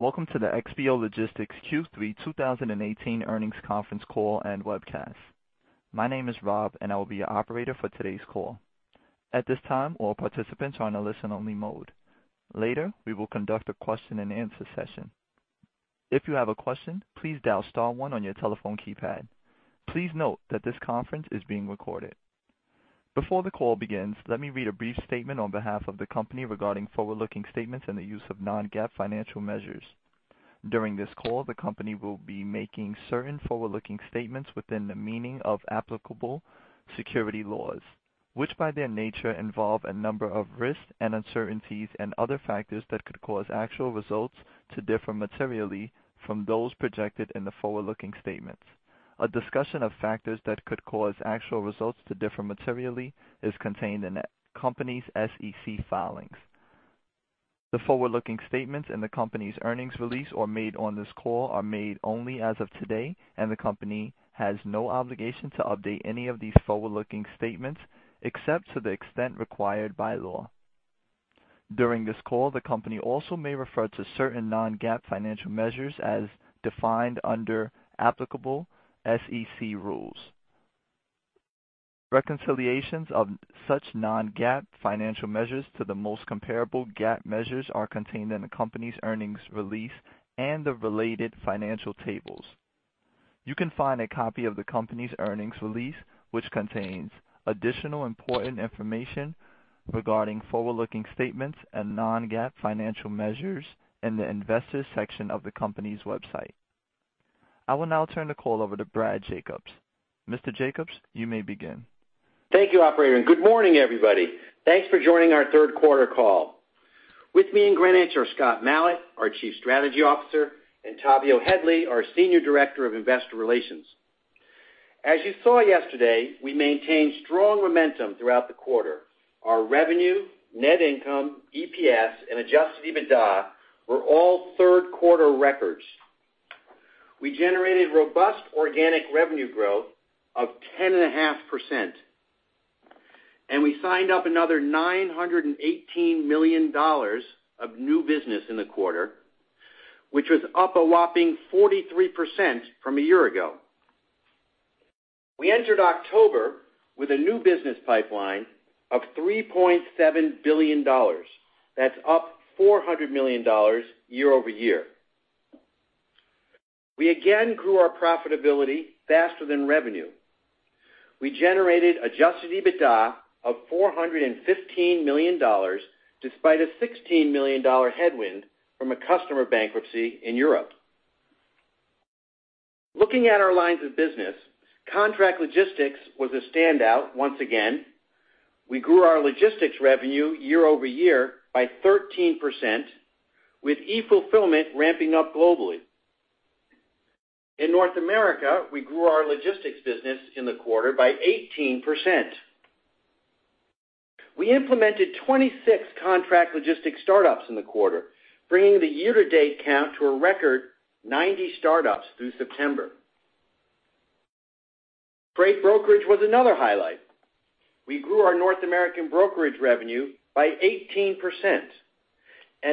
Welcome to the XPO Logistics Q3 2018 earnings conference call and webcast. My name is Rob, and I will be your operator for today's call. At this time, all participants are in a listen-only mode. Later, we will conduct a question and answer session. If you have a question, please dial star one on your telephone keypad. Please note that this conference is being recorded. Before the call begins, let me read a brief statement on behalf of the company regarding forward-looking statements and the use of non-GAAP financial measures. During this call, the company will be making certain forward-looking statements within the meaning of applicable security laws, which by their nature, involve a number of risks and uncertainties and other factors that could cause actual results to differ materially from those projected in the forward-looking statements. A discussion of factors that could cause actual results to differ materially is contained in the company's SEC filings. The forward-looking statements in the company's earnings release or made on this call are made only as of today. The company has no obligation to update any of these forward-looking statements, except to the extent required by law. During this call, the company also may refer to certain non-GAAP financial measures as defined under applicable SEC rules. Reconciliations of such non-GAAP financial measures to the most comparable GAAP measures are contained in the company's earnings release and the related financial tables. You can find a copy of the company's earnings release, which contains additional important information regarding forward-looking statements and non-GAAP financial measures in the Investors section of the company's website. I will now turn the call over to Brad Jacobs. Mr. Jacobs, you may begin. Thank you, operator. Good morning, everybody. Thanks for joining our third quarter call. With me in Greenwich are Scott Malat, our Chief Strategy Officer, and Tavio Headley, our Senior Director of Investor Relations. As you saw yesterday, we maintained strong momentum throughout the quarter. Our revenue, net income, EPS, and adjusted EBITDA were all third quarter records. We generated robust organic revenue growth of 10.5%. We signed up another $918 million of new business in the quarter, which was up a whopping 43% from a year ago. We entered October with a new business pipeline of $3.7 billion. That's up $400 million year-over-year. We again grew our profitability faster than revenue. We generated adjusted EBITDA of $415 million, despite a $16 million headwind from a customer bankruptcy in Europe. Looking at our lines of business, contract logistics was a standout once again. We grew our logistics revenue year-over-year by 13%, with e-fulfillment ramping up globally. In North America, we grew our logistics business in the quarter by 18%. We implemented 26 contract logistics startups in the quarter, bringing the year-to-date count to a record 90 startups through September. Freight brokerage was another highlight. We grew our North American brokerage revenue by 18%.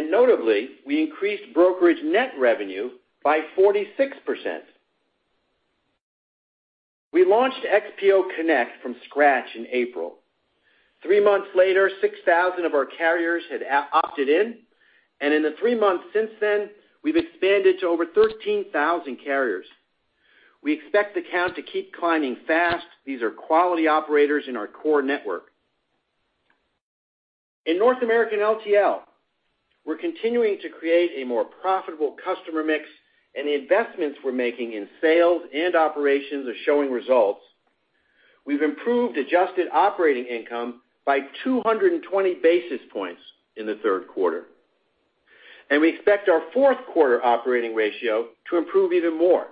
Notably, we increased brokerage net revenue by 46%. We launched XPO Connect from scratch in April. Three months later, 6,000 of our carriers had opted in. In the three months since then, we've expanded to over 13,000 carriers. We expect the count to keep climbing fast. These are quality operators in our core network. In North American LTL, we're continuing to create a more profitable customer mix. The investments we're making in sales and operations are showing results. We've improved adjusted operating income by 220 basis points in the third quarter. We expect our fourth quarter operating ratio to improve even more.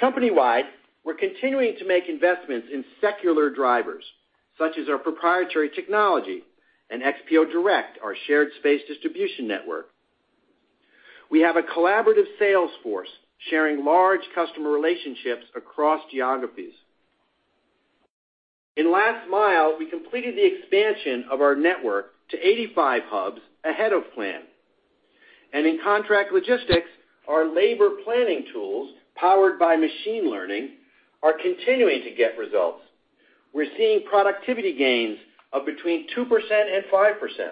Company-wide, we're continuing to make investments in secular drivers, such as our proprietary technology and XPO Direct, our shared space distribution network. We have a collaborative sales force sharing large customer relationships across geographies. In Last Mile, we completed the expansion of our network to 85 hubs ahead of plan. In contract logistics, our labor planning tools, powered by machine learning, are continuing to get results. We're seeing productivity gains of between 2% and 5%.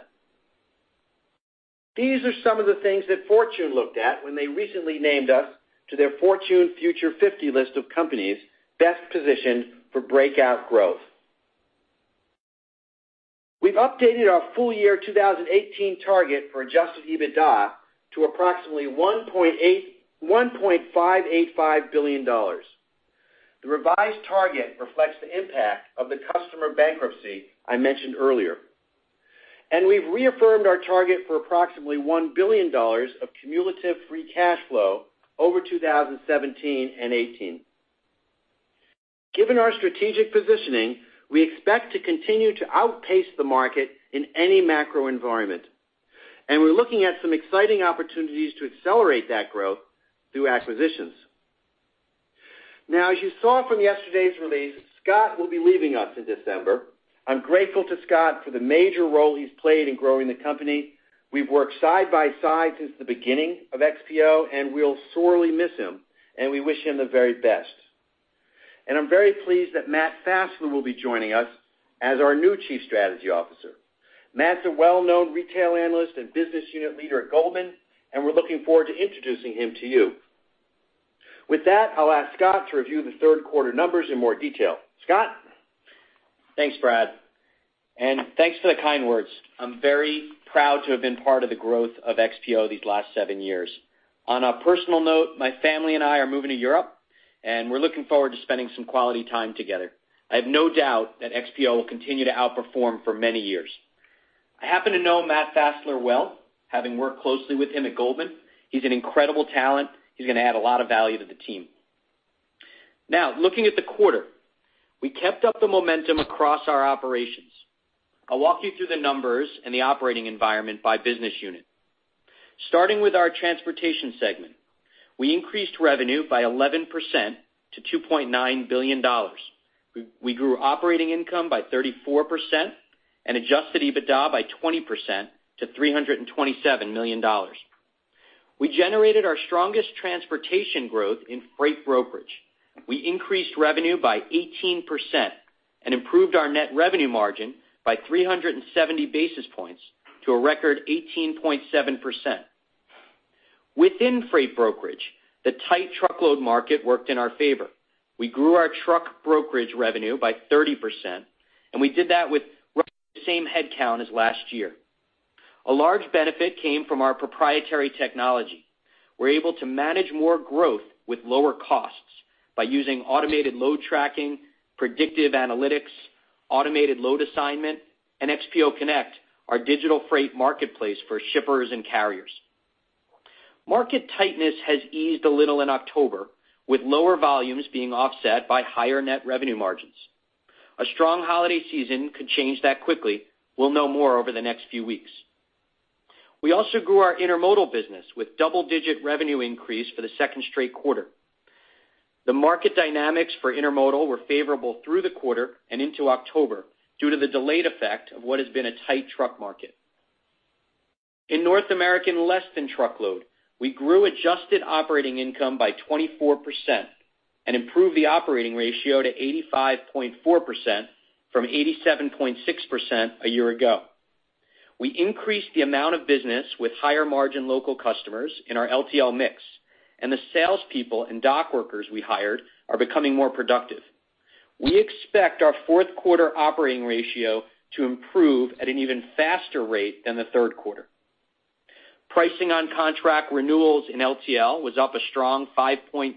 These are some of the things that Fortune looked at when they recently named us to their Fortune Future 50 list of companies best positioned for breakout growth. We've updated our full year 2018 target for adjusted EBITDA to approximately $1.585 billion. The revised target reflects the impact of the customer bankruptcy I mentioned earlier. We've reaffirmed our target for approximately $1 billion of cumulative free cash flow over 2017 and 2018. Given our strategic positioning, we expect to continue to outpace the market in any macro environment. We're looking at some exciting opportunities to accelerate that growth through acquisitions. Now, as you saw from yesterday's release, Scott will be leaving us in December. I'm grateful to Scott for the major role he's played in growing the company. We've worked side by side since the beginning of XPO. We'll sorely miss him, and we wish him the very best. I'm very pleased that Matt Fassler will be joining us as our new Chief Strategy Officer. Matt's a well-known retail analyst and business unit leader at Goldman. We're looking forward to introducing him to you. With that, I'll ask Scott to review the third quarter numbers in more detail. Scott? Thanks, Brad. Thanks for the kind words. I'm very proud to have been part of the growth of XPO these last seven years. On a personal note, my family and I are moving to Europe. We're looking forward to spending some quality time together. I have no doubt that XPO will continue to outperform for many years. I happen to know Matt Fassler well, having worked closely with him at Goldman. He's an incredible talent. He's going to add a lot of value to the team. Now, looking at the quarter, we kept up the momentum across our operations. I'll walk you through the numbers and the operating environment by business unit. Starting with our Transportation segment, we increased revenue by 11% to $2.9 billion. We grew operating income by 34% and adjusted EBITDA by 20% to $327 million. We generated our strongest transportation growth in freight brokerage. We increased revenue by 18% and improved our net revenue margin by 370 basis points to a record 18.7%. Within freight brokerage, the tight truckload market worked in our favor. We grew our truck brokerage revenue by 30%, and we did that with roughly the same headcount as last year. A large benefit came from our proprietary technology. We are able to manage more growth with lower costs by using automated load tracking, predictive analytics, automated load assignment, and XPO Connect, our digital freight marketplace for shippers and carriers. Market tightness has eased a little in October, with lower volumes being offset by higher net revenue margins. A strong holiday season could change that quickly. We will know more over the next few weeks. We also grew our intermodal business with double-digit revenue increase for the second straight quarter. The market dynamics for intermodal were favorable through the quarter and into October due to the delayed effect of what has been a tight truck market. In North American less-than-truckload, we grew adjusted operating income by 24% and improved the operating ratio to 85.4% from 87.6% a year ago. We increased the amount of business with higher-margin local customers in our LTL mix, and the salespeople and dock workers we hired are becoming more productive. We expect our fourth quarter operating ratio to improve at an even faster rate than the third quarter. Pricing on contract renewals in LTL was up a strong 5.3%.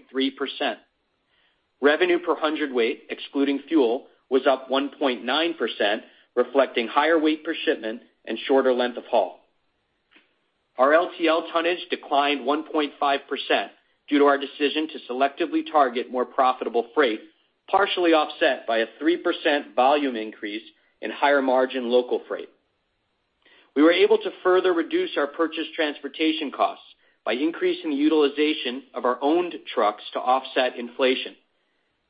Revenue per hundredweight, excluding fuel, was up 1.9%, reflecting higher weight per shipment and shorter length of haul. Our LTL tonnage declined 1.5% due to our decision to selectively target more profitable freight, partially offset by a 3% volume increase in higher-margin local freight. We were able to further reduce our purchase transportation costs by increasing the utilization of our owned trucks to offset inflation.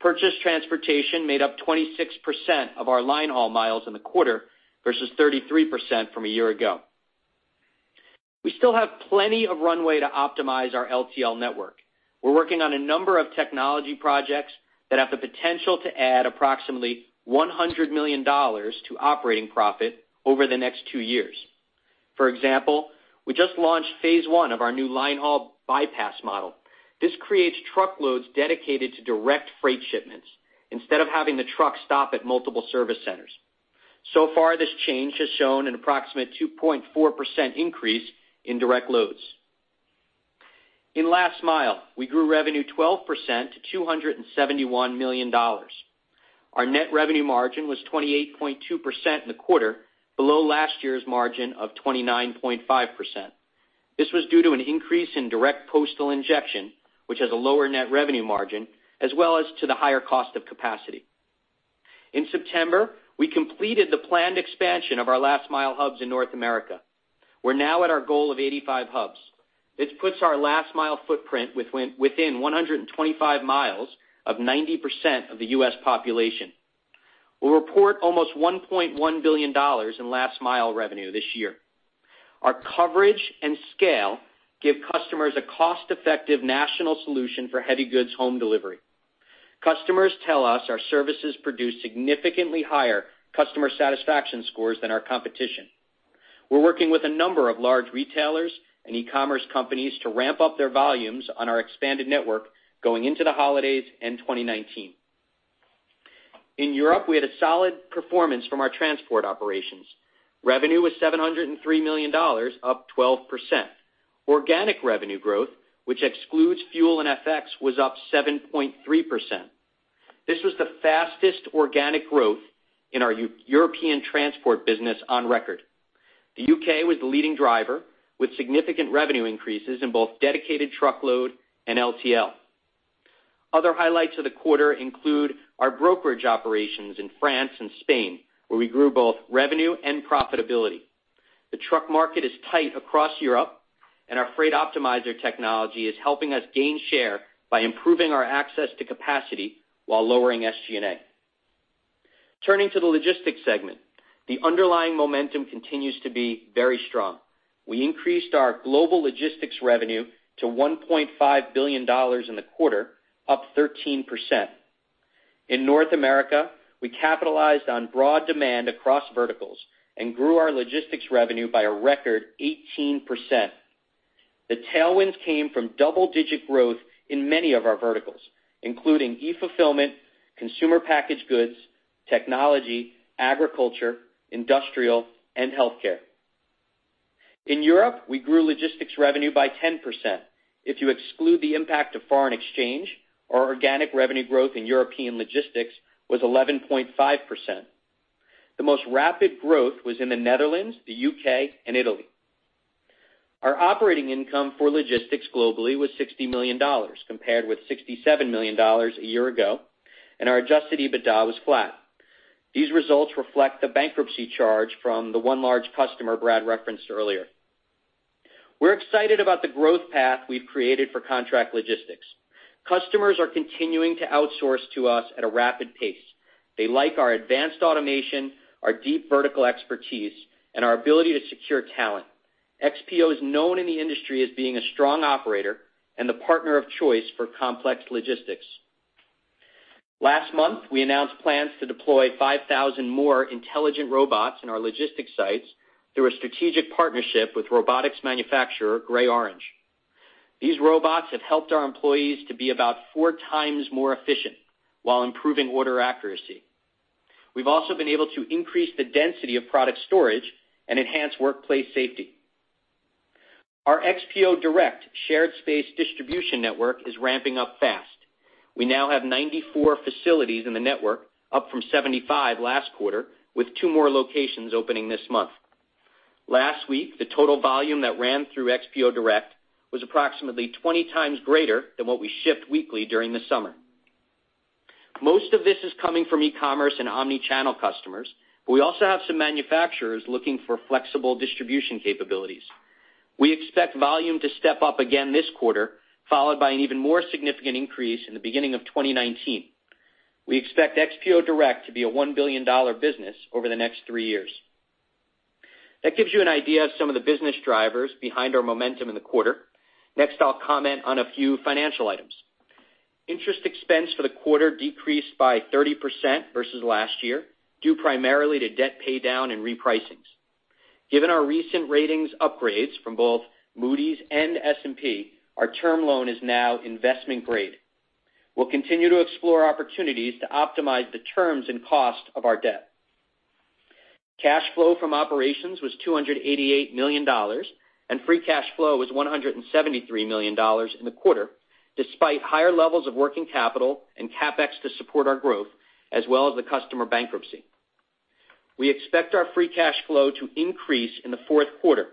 Purchase transportation made up 26% of our line haul miles in the quarter versus 33% from a year ago. We still have plenty of runway to optimize our LTL network. We are working on a number of technology projects that have the potential to add approximately $100 million to operating profit over the next two years. For example, we just launched phase 1 of our new line haul bypass model. This creates truckloads dedicated to direct freight shipments instead of having the truck stop at multiple service centers. So far, this change has shown an approximate 2.4% increase in direct loads. In Last Mile, we grew revenue 12% to $271 million. Our net revenue margin was 28.2% in the quarter, below last year's margin of 29.5%. This was due to an increase in direct postal injection, which has a lower net revenue margin, as well as to the higher cost of capacity. In September, we completed the planned expansion of our Last Mile hubs in North America. We are now at our goal of 85 hubs. This puts our Last Mile footprint within 125 miles of 90% of the U.S. population. We will report almost $1.1 billion in Last Mile revenue this year. Our coverage and scale give customers a cost-effective national solution for heavy goods home delivery. Customers tell us our services produce significantly higher customer satisfaction scores than our competition. We are working with a number of large retailers and e-commerce companies to ramp up their volumes on our expanded network going into the holidays and 2019. In Europe, we had a solid performance from our transport operations. Revenue was $703 million, up 12%. Organic revenue growth, which excludes fuel and FX, was up 7.3%. This was the fastest organic growth in our European transport business on record. The U.K. was the leading driver, with significant revenue increases in both dedicated truckload and LTL. Other highlights of the quarter include our brokerage operations in France and Spain, where we grew both revenue and profitability. The truck market is tight across Europe, and our Freight Optimizer technology is helping us gain share by improving our access to capacity while lowering SG&A. Turning to the logistics segment, the underlying momentum continues to be very strong. We increased our global logistics revenue to $1.5 billion in the quarter, up 13%. In North America, we capitalized on broad demand across verticals and grew our logistics revenue by a record 18%. The tailwinds came from double-digit growth in many of our verticals, including e-fulfillment, consumer packaged goods, technology, agriculture, industrial, and healthcare. In Europe, we grew logistics revenue by 10%. If you exclude the impact of foreign exchange, our organic revenue growth in European logistics was 11.5%. The most rapid growth was in the Netherlands, the U.K., and Italy. Our operating income for logistics globally was $60 million, compared with $67 million a year ago, and our adjusted EBITDA was flat. These results reflect the bankruptcy charge from the one large customer Brad referenced earlier. We're excited about the growth path we've created for contract logistics. Customers are continuing to outsource to us at a rapid pace. They like our advanced automation, our deep vertical expertise, and our ability to secure talent. XPO is known in the industry as being a strong operator and the partner of choice for complex logistics. Last month, we announced plans to deploy 5,000 more intelligent robots in our logistics sites through a strategic partnership with robotics manufacturer GreyOrange. These robots have helped our employees to be about four times more efficient while improving order accuracy. We've also been able to increase the density of product storage and enhance workplace safety. Our XPO Direct shared space distribution network is ramping up fast. We now have 94 facilities in the network, up from 75 last quarter, with two more locations opening this month. Last week, the total volume that ran through XPO Direct was approximately 20 times greater than what we shipped weekly during the summer. Most of this is coming from e-commerce and omni-channel customers. We also have some manufacturers looking for flexible distribution capabilities. We expect volume to step up again this quarter, followed by an even more significant increase in the beginning of 2019. We expect XPO Direct to be a $1 billion business over the next three years. That gives you an idea of some of the business drivers behind our momentum in the quarter. Next, I'll comment on a few financial items. Interest expense for the quarter decreased by 30% versus last year, due primarily to debt paydown and repricings. Given our recent ratings upgrades from both Moody's and S&P, our term loan is now investment grade. We'll continue to explore opportunities to optimize the terms and cost of our debt. Cash flow from operations was $288 million, and free cash flow was $173 million in the quarter, despite higher levels of working capital and CapEx to support our growth, as well as the customer bankruptcy. We expect our free cash flow to increase in the fourth quarter,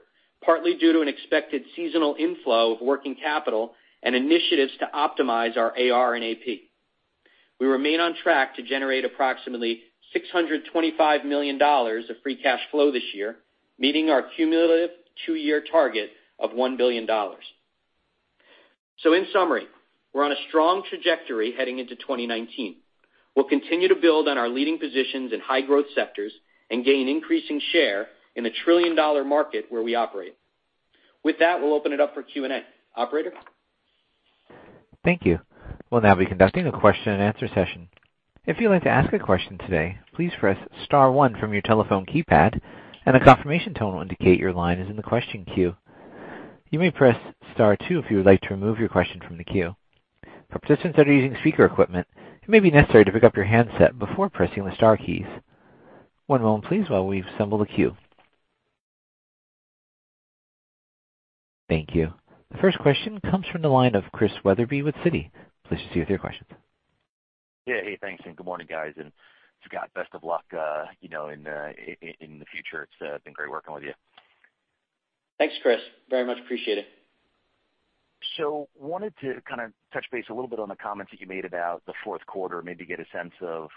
partly due to an expected seasonal inflow of working capital and initiatives to optimize our AR and AP. We remain on track to generate approximately $625 million of free cash flow this year, meeting our cumulative two-year target of $1 billion. In summary, we're on a strong trajectory heading into 2019. We'll continue to build on our leading positions in high-growth sectors and gain increasing share in the trillion-dollar market where we operate. With that, we'll open it up for Q&A. Operator? Thank you. We'll now be conducting a question-and-answer session. If you'd like to ask a question today, please press *1 from your telephone keypad, and a confirmation tone will indicate your line is in the question queue. You may press *2 if you would like to remove your question from the queue. For participants that are using speaker equipment, it may be necessary to pick up your handset before pressing the star keys. One moment please while we assemble the queue. Thank you. The first question comes from the line of Chris Wetherbee with Citi. Please proceed with your questions. Yeah. Hey, thanks, and good morning, guys, and Scott, best of luck in the future. It's been great working with you. Thanks, Chris, very much appreciate it. Wanted to kind of touch base a little bit on the comments that you made about the fourth quarter, maybe get a sense of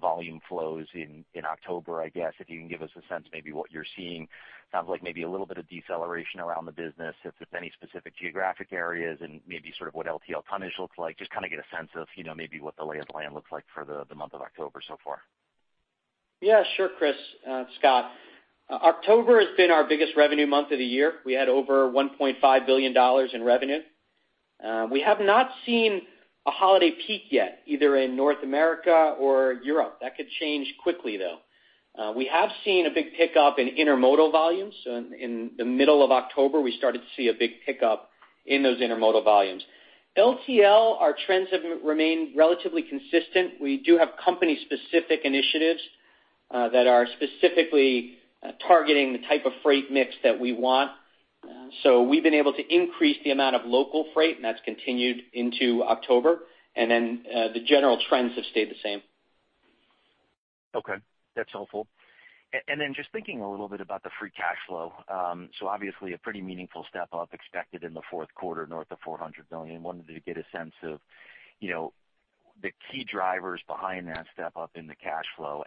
volume flows in October, I guess. If you can give us a sense maybe what you're seeing. Sounds like maybe a little bit of deceleration around the business. If there's any specific geographic areas and maybe sort of what LTL tonnage looks like. Just kind of get a sense of maybe what the lay of the land looks like for the month of October so far. Yeah, sure, Chris. Scott. October has been our biggest revenue month of the year. We had over $1.5 billion in revenue. We have not seen a holiday peak yet, either in North America or Europe. That could change quickly, though. We have seen a big pickup in intermodal volumes. In the middle of October, we started to see a big pickup in those intermodal volumes. LTL, our trends have remained relatively consistent. We do have company-specific initiatives that are specifically targeting the type of freight mix that we want. We've been able to increase the amount of local freight, and that's continued into October. The general trends have stayed the same. Okay. That's helpful. Just thinking a little bit about the free cash flow. Obviously a pretty meaningful step up expected in the fourth quarter, north of $400 million. Wanted to get a sense of the key drivers behind that step up in the cash flow.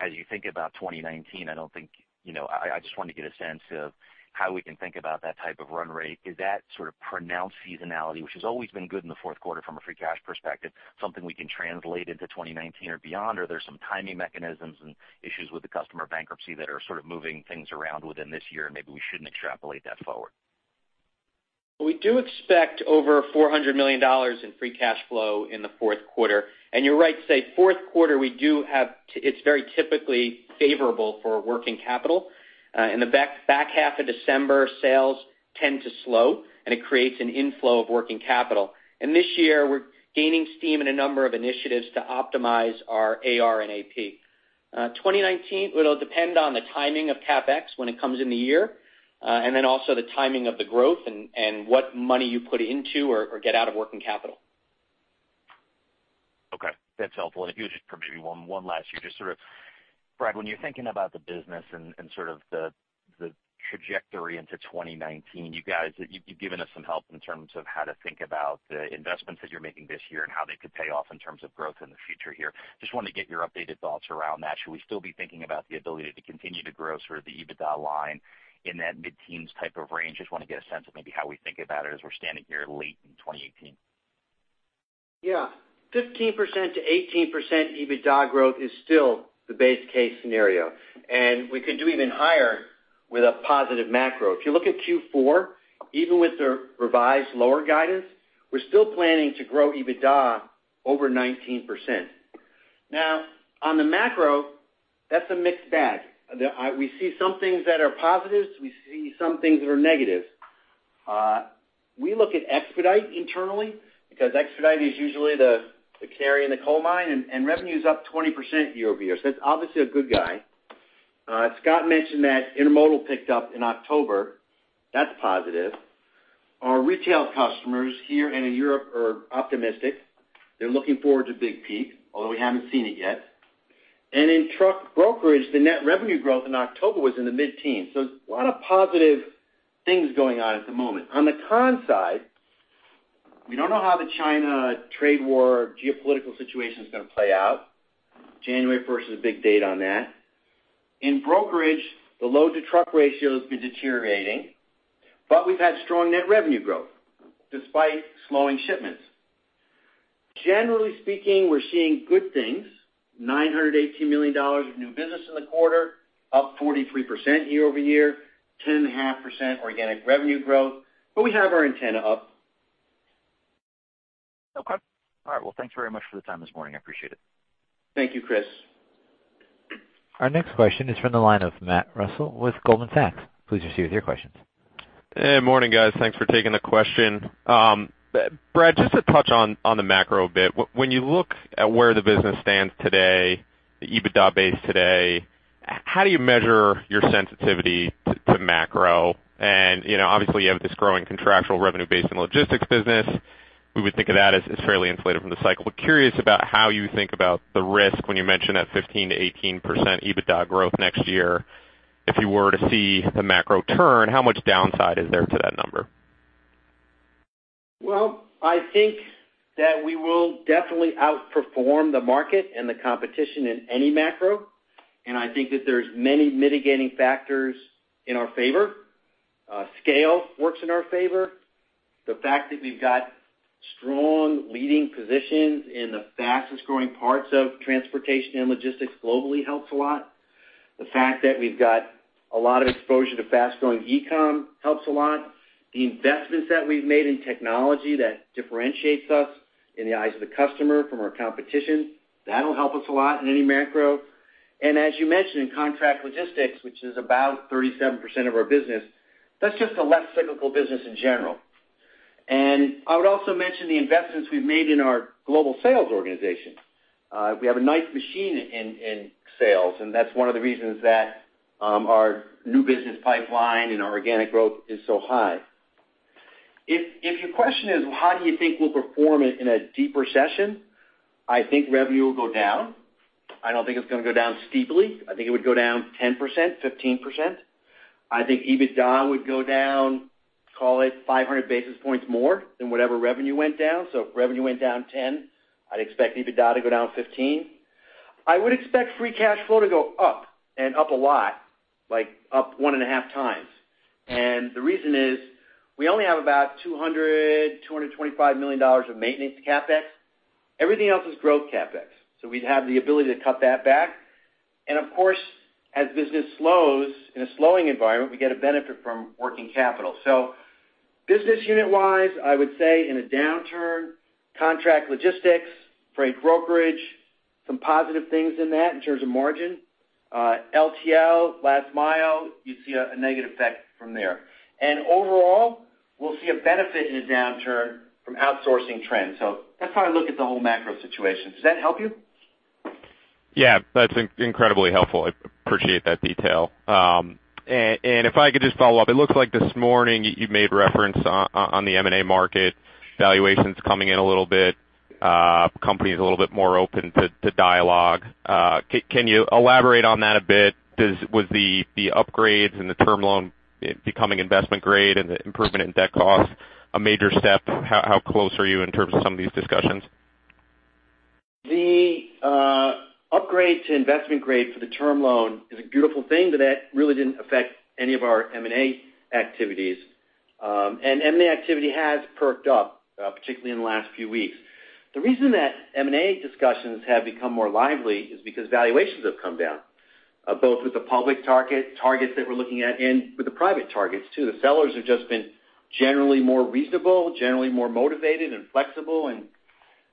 As you think about 2019, I just wanted to get a sense of how we can think about that type of run rate. Is that sort of pronounced seasonality, which has always been good in the fourth quarter from a free cash perspective, something we can translate into 2019 or beyond, or there's some timing mechanisms and issues with the customer bankruptcy that are sort of moving things around within this year, and maybe we shouldn't extrapolate that forward? We do expect over $400 million in free cash flow in the fourth quarter. You're right to say, fourth quarter, it's very typically favorable for working capital. In the back half of December, sales tend to slow, and it creates an inflow of working capital. This year, we're gaining steam in a number of initiatives to optimize our AR and AP. 2019, it'll depend on the timing of CapEx when it comes in the year, also the timing of the growth and what money you put into or get out of working capital. Okay, that's helpful. If you would just perhaps give me one last, Brad, when you're thinking about the business and sort of the trajectory into 2019, you guys, you've given us some help in terms of how to think about the investments that you're making this year and how they could pay off in terms of growth in the future here. Just wanted to get your updated thoughts around that. Should we still be thinking about the ability to continue to grow sort of the EBITDA line in that mid-teens type of range? Just want to get a sense of maybe how we think about it as we're standing here late in 2018. Yeah. 15%-18% EBITDA growth is still the base case scenario. We could do even higher with a positive macro. If you look at Q4, even with the revised lower guidance, we're still planning to grow EBITDA over 19%. On the macro, that's a mixed bag. We see some things that are positives. We see some things that are negatives. We look at expedite internally because expedite is usually the canary in the coal mine, revenue's up 20% year-over-year. That's obviously a good guy. Scott mentioned that intermodal picked up in October. That's a positive. Our retail customers here and in Europe are optimistic. They're looking forward to big peak, although we haven't seen it yet. In truck brokerage, the net revenue growth in October was in the mid-teens. There's a lot of positive things going on at the moment. On the con side, we don't know how the China trade war geopolitical situation is going to play out. January 1st is a big date on that. In brokerage, the load-to-truck ratio has been deteriorating, we've had strong net revenue growth despite slowing shipments. Generally speaking, we're seeing good things, $918 million of new business in the quarter, up 43% year-over-year, 10.5% organic revenue growth. We have our antenna up. Okay. All right. Thanks very much for the time this morning. I appreciate it. Thank you, Chris. Our next question is from the line of Matt Russell with Goldman Sachs. Please proceed with your questions. Morning, guys. Thanks for taking the question. Brad, just to touch on the macro a bit. When you look at where the business stands today, the EBITDA base today, how do you measure your sensitivity to macro? Obviously you have this growing contractual revenue base in the logistics business. We would think of that as fairly inflated from the cycle. Curious about how you think about the risk when you mention that 15%-18% EBITDA growth next year. If you were to see the macro turn, how much downside is there to that number? Well, I think that we will definitely outperform the market and the competition in any macro. I think that there's many mitigating factors in our favor. Scale works in our favor. The fact that we've got strong leading positions in the fastest-growing parts of transportation and logistics globally helps a lot. The fact that we've got a lot of exposure to fast-growing e-com helps a lot. The investments that we've made in technology that differentiates us in the eyes of the customer from our competition, that'll help us a lot in any macro. As you mentioned, in contract logistics, which is about 37% of our business, that's just a less cyclical business in general. I would also mention the investments we've made in our global sales organization. We have a nice machine in sales, That's one of the reasons that our new business pipeline and our organic growth is so high. If your question is, how do you think we'll perform in a deep recession, I think revenue will go down. I don't think it's going to go down steeply. I think it would go down 10%-15%. I think EBITDA would go down, call it 500 basis points more than whatever revenue went down. If revenue went down 10%, I'd expect EBITDA to go down 15%. I would expect free cash flow to go up, and up a lot, like up one and a half times. The reason is we only have about $200 million-$225 million of maintenance CapEx. Everything else is growth CapEx. We'd have the ability to cut that back. Of course, as business slows in a slowing environment, we get a benefit from working capital. Business unit-wise, I would say in a downturn, contract logistics, freight brokerage, some positive things in that in terms of margin. LTL, Last Mile, you'd see a negative effect from there. Overall, we'll see a benefit in a downturn from outsourcing trends. That's how I look at the whole macro situation. Does that help you? Yeah, that's incredibly helpful. I appreciate that detail. If I could just follow up, it looks like this morning you made reference on the M&A market valuations coming in a little bit, companies a little bit more open to dialogue. Can you elaborate on that a bit? Was the upgrades and the term loan becoming investment grade and the improvement in debt cost a major step? How close are you in terms of some of these discussions? The upgrade to investment grade for the term loan is a beautiful thing, That really didn't affect any of our M&A activities. M&A activity has perked up, particularly in the last few weeks. The reason that M&A discussions have become more lively is because valuations have come down, both with the public targets that we're looking at and with the private targets too. The sellers have just been generally more reasonable, generally more motivated and flexible.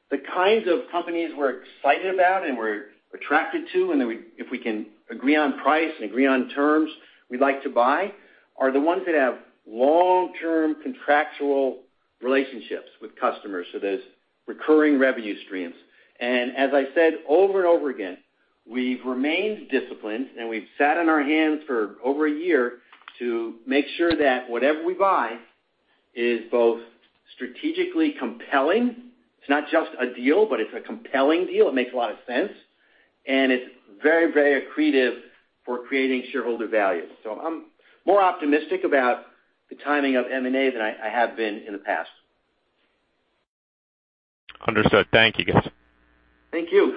The kinds of companies we're excited about and we're attracted to, and if we can agree on price and agree on terms we'd like to buy, are the ones that have long-term contractual relationships with customers. Those recurring revenue streams. As I said over and over again, we've remained disciplined and we've sat on our hands for over a year to make sure that whatever we buy is both strategically compelling. It's not just a deal, but it's a compelling deal. It makes a lot of sense, and it's very accretive for creating shareholder value. I'm more optimistic about the timing of M&A than I have been in the past. Understood. Thank you, guys. Thank you.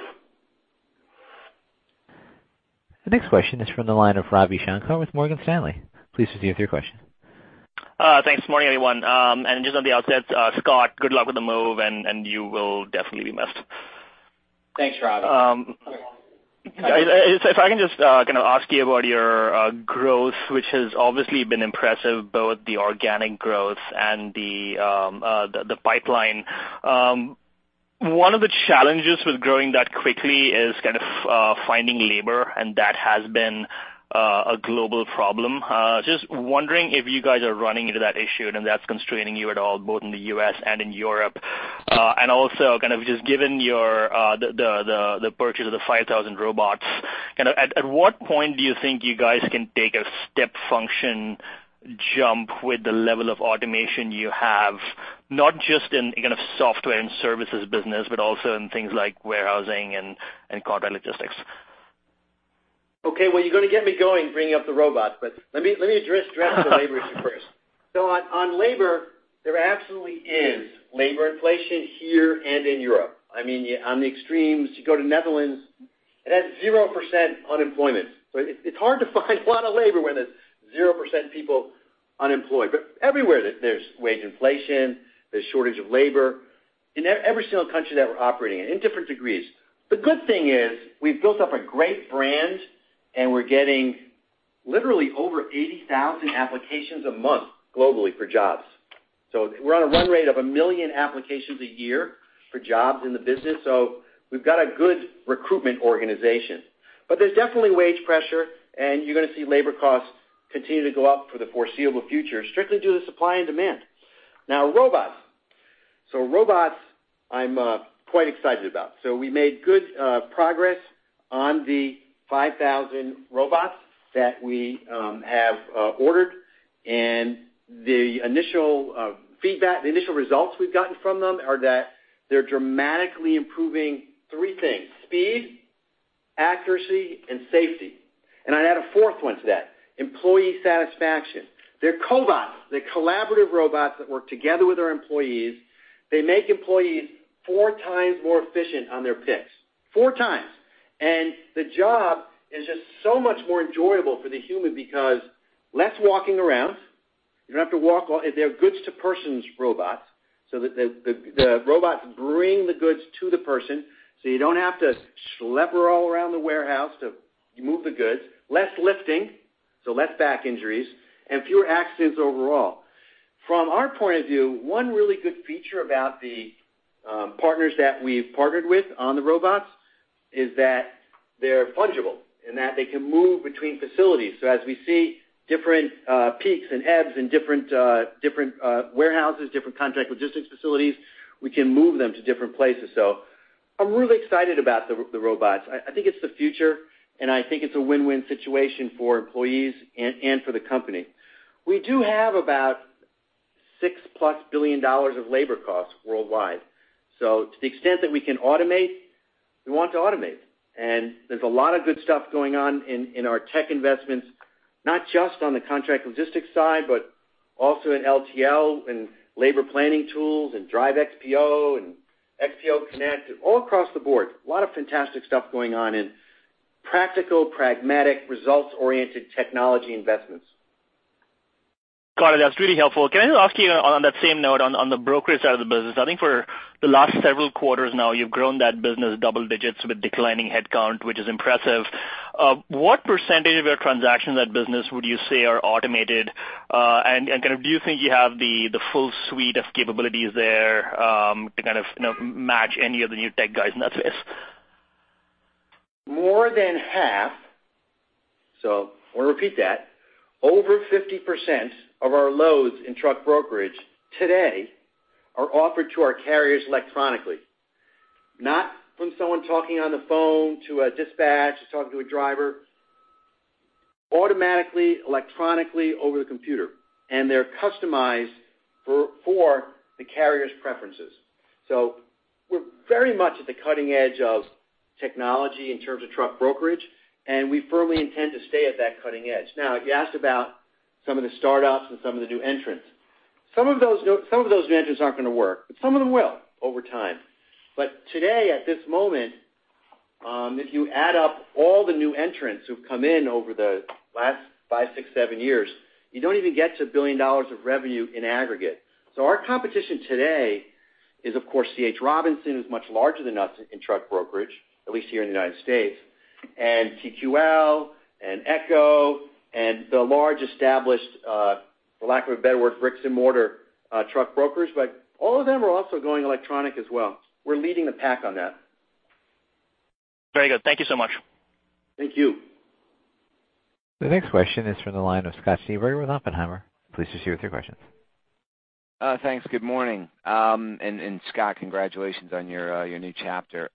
The next question is from the line of Ravi Shanker with Morgan Stanley. Please proceed with your question. Thanks. Morning, everyone. Just on the outset, Scott, good luck with the move, and you will definitely be missed. Thanks, Ravi. If I can just ask you about your growth, which has obviously been impressive, both the organic growth and the pipeline. One of the challenges with growing that quickly is kind of finding labor, and that has been a global problem. Just wondering if you guys are running into that issue and if that's constraining you at all, both in the U.S. and in Europe. Also kind of just given the purchase of the 5,000 robots, at what point do you think you guys can take a step function jump with the level of automation you have, not just in kind of software and services business, but also in things like warehousing and contract logistics? Okay. Well, you're going to get me going bringing up the robots, let me address the labor issue first. On labor, there absolutely is labor inflation here and in Europe. I mean, on the extremes, you go to Netherlands, it has 0% unemployment. It's hard to find a lot of labor when there's 0% people unemployed. Everywhere there's wage inflation, there's shortage of labor in every single country that we're operating in different degrees. The good thing is we've built up a great brand, and we're getting literally over 80,000 applications a month globally for jobs. We're on a run rate of 1 million applications a year for jobs in the business. We've got a good recruitment organization. There's definitely wage pressure, and you're going to see labor costs continue to go up for the foreseeable future, strictly due to supply and demand. Now, robots. Robots, I'm quite excited about. We made good progress on the 5,000 robots that we have ordered. The initial results we've gotten from them are that they're dramatically improving three things, speed, accuracy, and safety. I'd add a fourth one to that, employee satisfaction. They're cobots. They're collaborative robots that work together with our employees. They make employees four times more efficient on their picks. Four times. The job is just so much more enjoyable for the human because less walking around. They're goods to persons robots, so the robots bring the goods to the person, so you don't have to schlep all around the warehouse to move the goods. Less lifting, so less back injuries and fewer accidents overall. From our point of view, one really good feature about the partners that we've partnered with on the robots is that they're fungible and that they can move between facilities. As we see different peaks and ebbs in different warehouses, different contract logistics facilities, we can move them to different places. I'm really excited about the robots. I think it's the future, and I think it's a win-win situation for employees and for the company. We do have about $6-plus billion of labor costs worldwide. To the extent that we can automate, we want to automate. There's a lot of good stuff going on in our tech investments, not just on the contract logistics side, but also in LTL and labor planning tools and Drive XPO and XPO Connect, all across the board. A lot of fantastic stuff going on in practical, pragmatic, results-oriented technology investments. Got it. That's really helpful. Can I just ask you on that same note, on the brokerage side of the business? I think for the last several quarters now you've grown that business double digits with declining headcount, which is impressive. What % of your transactions, that business, would you say are automated? Kind of do you think you have the full suite of capabilities there to kind of match any of the new tech guys in that space? More than half. I want to repeat that. Over 50% of our loads in truck brokerage today are offered to our carriers electronically. Not from someone talking on the phone to a dispatch, talking to a driver. Automatically, electronically over the computer, and they're customized for the carrier's preferences. We're very much at the cutting edge of technology in terms of truck brokerage, and we firmly intend to stay at that cutting edge. You asked about some of the startups and some of the new entrants. Some of those advantages aren't going to work, some of them will over time. Today, at this moment, if you add up all the new entrants who've come in over the last five, six, seven years, you don't even get to $1 billion of revenue in aggregate. Our competition today is, of course, C.H. Robinson, who's much larger than us in truck brokerage, at least here in the U.S., and TQL and Echo and the large established, for lack of a better word, bricks and mortar truck brokers. All of them are also going electronic as well. We're leading the pack on that. Very good. Thank you so much. Thank you. The next question is from the line of Scott Schneeberger with Oppenheimer. Please proceed with your questions. Thanks. Good morning. Scott, congratulations on your new chapter.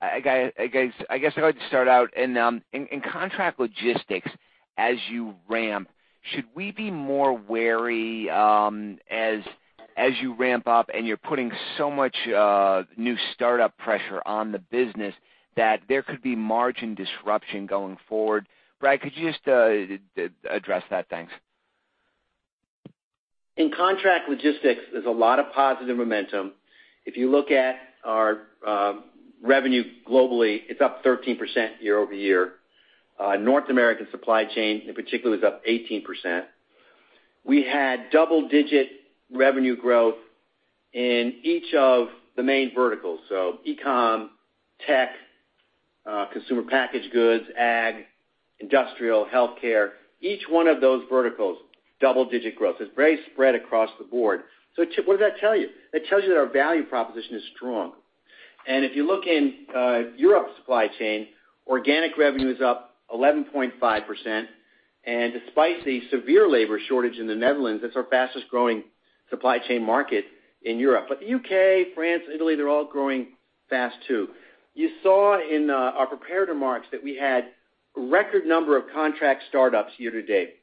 I guess I'd like to start out, in contract logistics, as you ramp, should we be more wary as you ramp up and you're putting so much new startup pressure on the business that there could be margin disruption going forward? Brad, could you just address that? Thanks. In contract logistics, there's a lot of positive momentum. If you look at our revenue globally, it's up 13% year-over-year. North American supply chain in particular, is up 18%. We had double-digit revenue growth in each of the main verticals. E-com, tech, consumer packaged goods, ag, industrial, healthcare, each one of those verticals, double-digit growth. It's very spread across the board. What does that tell you? That tells you that our value proposition is strong. If you look in Europe supply chain, organic revenue is up 11.5%. Despite the severe labor shortage in the Netherlands, that's our fastest-growing supply chain market in Europe. The U.K., France, Italy, they're all growing fast, too. You saw in our prepared remarks that we had a record number of contract startups year to date.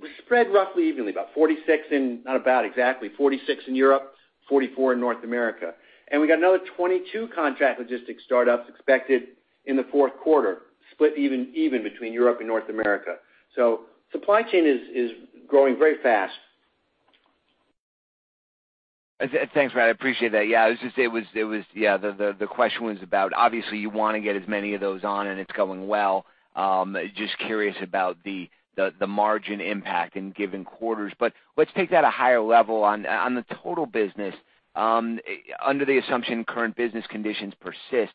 We're spread roughly evenly, exactly 46 in Europe, 44 in North America. We got another 22 contract logistics startups expected in the fourth quarter, split even between Europe and North America. Supply chain is growing very fast. Thanks, Brad. I appreciate that. Yeah, the question was about, obviously, you want to get as many of those on, and it's going well. Just curious about the margin impact in given quarters. Let's take that a higher level. On the total business, under the assumption current business conditions persist,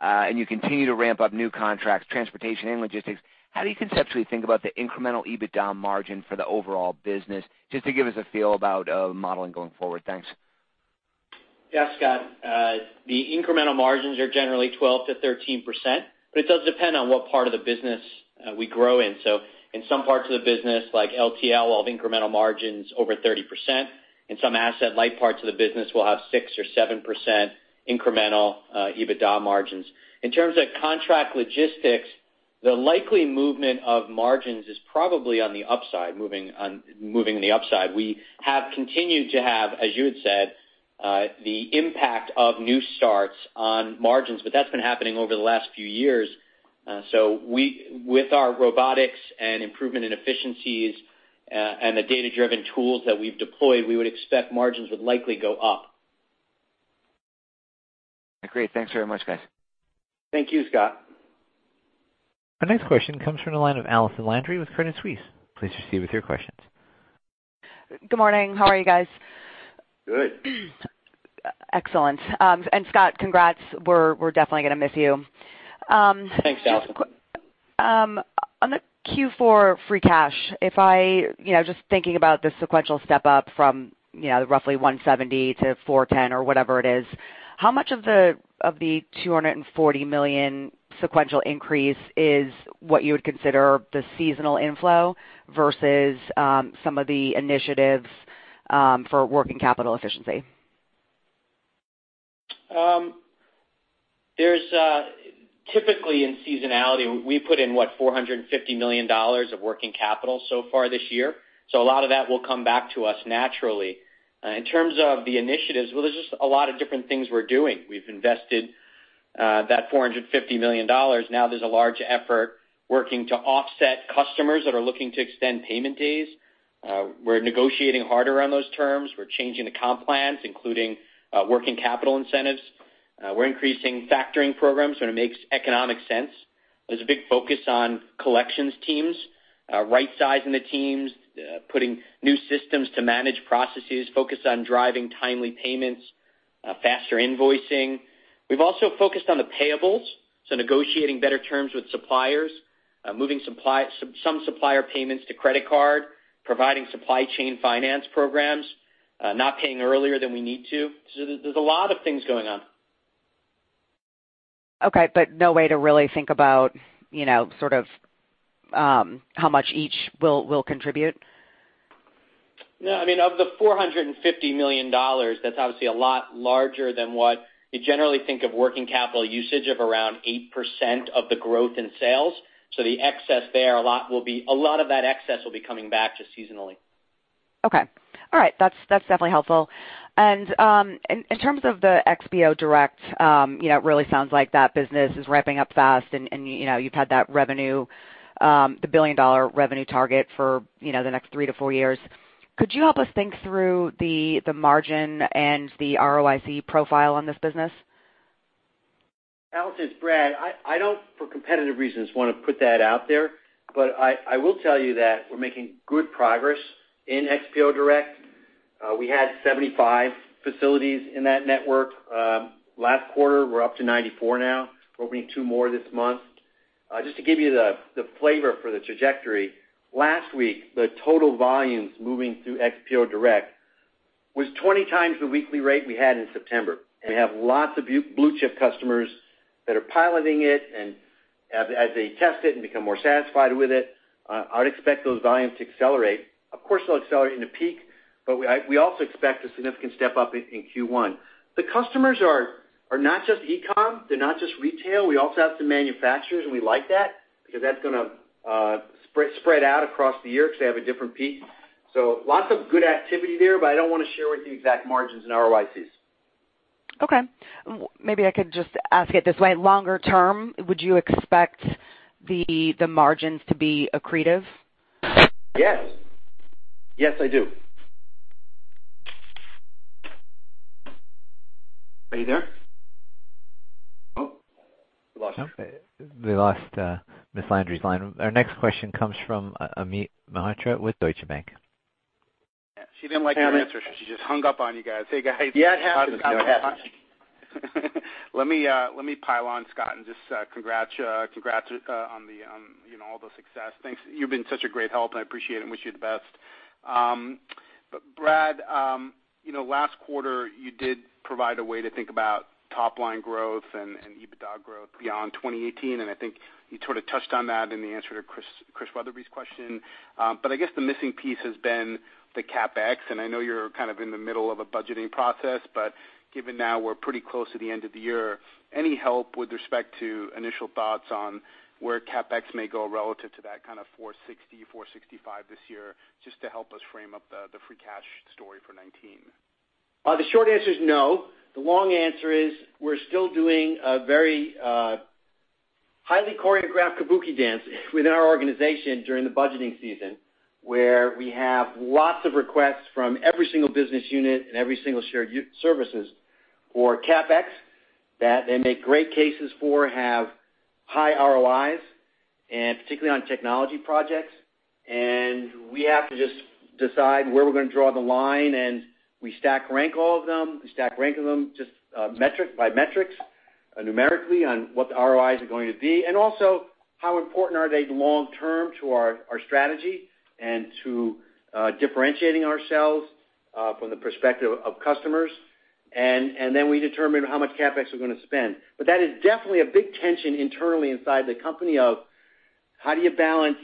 and you continue to ramp up new contracts, transportation and logistics, how do you conceptually think about the incremental EBITDA margin for the overall business? Just to give us a feel about modeling going forward. Thanks. Yeah, Scott. The incremental margins are generally 12%-13%. It does depend on what part of the business we grow in. In some parts of the business, like LTL, we'll have incremental margins over 30%. In some asset-light parts of the business, we'll have 6% or 7% incremental EBITDA margins. In terms of contract logistics, the likely movement of margins is probably on the upside, moving in the upside. We have continued to have, as you had said, the impact of new starts on margins. That's been happening over the last few years. With our robotics and improvement in efficiencies and the data-driven tools that we've deployed, we would expect margins would likely go up. Great. Thanks very much, guys. Thank you, Scott. Our next question comes from the line of Allison Landry with Credit Suisse. Please proceed with your questions. Good morning. How are you guys? Good. Excellent. Scott, congrats. We're definitely going to miss you. Thanks, Allison. On the Q4 free cash, just thinking about the sequential step up from roughly $170 million to $410 million, or whatever it is, how much of the $240 million sequential increase is what you would consider the seasonal inflow versus some of the initiatives for working capital efficiency? Typically in seasonality, we put in, what, $450 million of working capital so far this year. A lot of that will come back to us naturally. In terms of the initiatives, well, there's just a lot of different things we're doing. We've invested that $450 million. There's a large effort working to offset customers that are looking to extend payment days. We're negotiating harder on those terms. We're changing account plans, including working capital incentives. We're increasing factoring programs when it makes economic sense. There's a big focus on collections teams, rightsizing the teams, putting new systems to manage processes, focus on driving timely payments, faster invoicing. We've also focused on the payables, negotiating better terms with suppliers, moving some supplier payments to credit card, providing supply chain finance programs, not paying earlier than we need to. There's a lot of things going on. Okay. No way to really think about sort of how much each will contribute? No, I mean, of the $450 million, that's obviously a lot larger than what you generally think of working capital usage of around 8% of the growth in sales. The excess there, a lot of that excess will be coming back just seasonally. Okay. All right. That's definitely helpful. In terms of the XPO Direct, it really sounds like that business is ramping up fast, and you've had that revenue, the billion-dollar revenue target for the next three to four years. Could you help us think through the margin and the ROIC profile on this business? Allison, it's Brad. I don't, for competitive reasons, want to put that out there, but I will tell you that we're making good progress in XPO Direct. We had 75 facilities in that network last quarter. We're up to 94 now, opening two more this month. Just to give you the flavor for the trajectory, last week, the total volumes moving through XPO Direct was 20 times the weekly rate we had in September. We have lots of blue-chip customers that are piloting it. As they test it and become more satisfied with it, I'd expect those volumes to accelerate. Of course, they'll accelerate in a peak, but we also expect a significant step-up in Q1. The customers are not just e-com, they're not just retail, we also have some manufacturers, and we like that because that's going to spread out across the year because they have a different peak. Lots of good activity there, but I don't want to share with you exact margins and ROICs. Okay. Maybe I could just ask it this way. Longer term, would you expect the margins to be accretive? Yes. Yes, I do. Are you there? Oh, we lost her. We lost Ms. Landry's line. Our next question comes from Amit Mehrotra with Deutsche Bank. She didn't like your answer. She just hung up on you guys. Hey, guys. Yeah, it happens. Let me pile on Scott and just congrats on all the success. Thanks. You've been such a great help, and I appreciate it and wish you the best. Brad, last quarter, you did provide a way to think about top-line growth and EBITDA growth beyond 2018. I think you sort of touched on that in the answer to Chris Wetherbee's question. I guess the missing piece has been the CapEx. I know you're kind of in the middle of a budgeting process, but given now we're pretty close to the end of the year, any help with respect to initial thoughts on where CapEx may go relative to that kind of $460, $465 this year, just to help us frame up the free cash story for 2019? The short answer is no. The long answer is we're still doing a very highly choreographed kabuki dance within our organization during the budgeting season, where we have lots of requests from every single business unit and every single shared services for CapEx that they make great cases for, have high ROIs, and particularly on technology projects. We have to just decide where we're going to draw the line, and we stack rank all of them. We stack rank them just by metrics, numerically on what the ROIs are going to be, and also how important are they long term to our strategy and to differentiating ourselves from the perspective of customers. Then we determine how much CapEx we're going to spend. That is definitely a big tension internally inside the company of how do you balance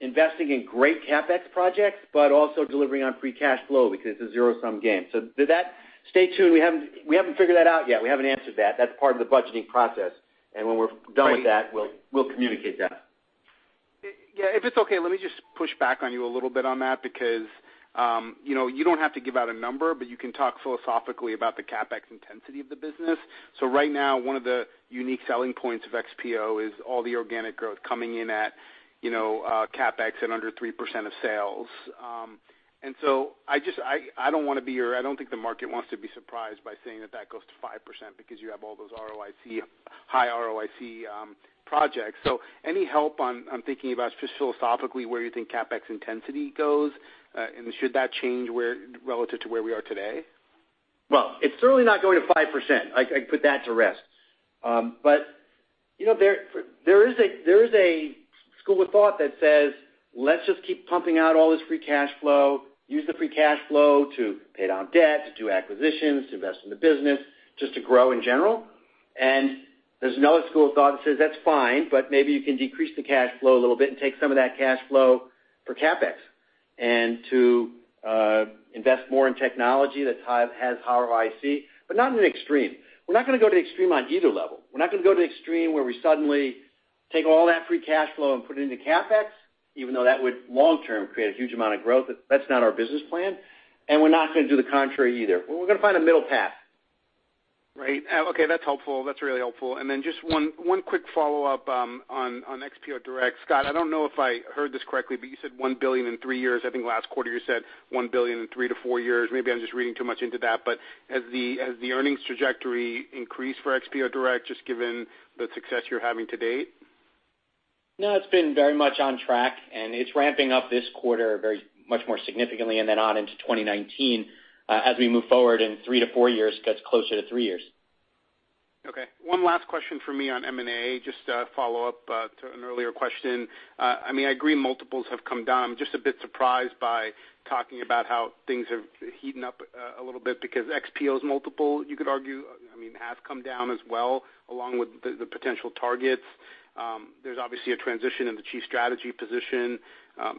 investing in great CapEx projects, but also delivering on free cash flow because it's a zero-sum game. Stay tuned. We haven't figured that out yet. We haven't answered that. That's part of the budgeting process. When we're done with that, we'll communicate that. Yeah. If it's okay, let me just push back on you a little bit on that because you don't have to give out a number, but you can talk philosophically about the CapEx intensity of the business. Right now, one of the unique selling points of XPO is all the organic growth coming in at CapEx at under 3% of sales. I don't think the market wants to be surprised by saying that that goes to 5% because you have all those high ROIC projects. Any help on thinking about just philosophically, where you think CapEx intensity goes? Should that change relative to where we are today? Well, it's certainly not going to 5%. I put that to rest. There is a school of thought that says, "Let's just keep pumping out all this free cash flow, use the free cash flow to pay down debt, to do acquisitions, to invest in the business, just to grow in general." There's another school of thought that says, "That's fine, but maybe you can decrease the cash flow a little bit and take some of that cash flow for CapEx and to invest more in technology that has high ROIC," but not in an extreme. We're not going to go to extreme on either level. We're not going to go to extreme where we suddenly take all that free cash flow and put it into CapEx, even though that would long term create a huge amount of growth. That's not our business plan. We're not going to do the contrary either. We're going to find a middle path. Right. Okay, that's helpful. That's really helpful. Then just one quick follow-up on XPO Direct. Scott, I don't know if I heard this correctly, but you said $1 billion in three years. I think last quarter you said $1 billion in three to four years. Maybe I'm just reading too much into that, has the earnings trajectory increased for XPO Direct, just given the success you're having to date? No, it's been very much on track, it's ramping up this quarter very much more significantly then on into 2019. As we move forward in three to four years, it gets closer to three years. Okay. One last question for me on M&A, just to follow up to an earlier question. I agree multiples have come down. I am just a bit surprised by talking about how things have heated up a little bit because XPO's multiple, you could argue, has come down as well, along with the potential targets. There is obviously a transition in the chief strategy position.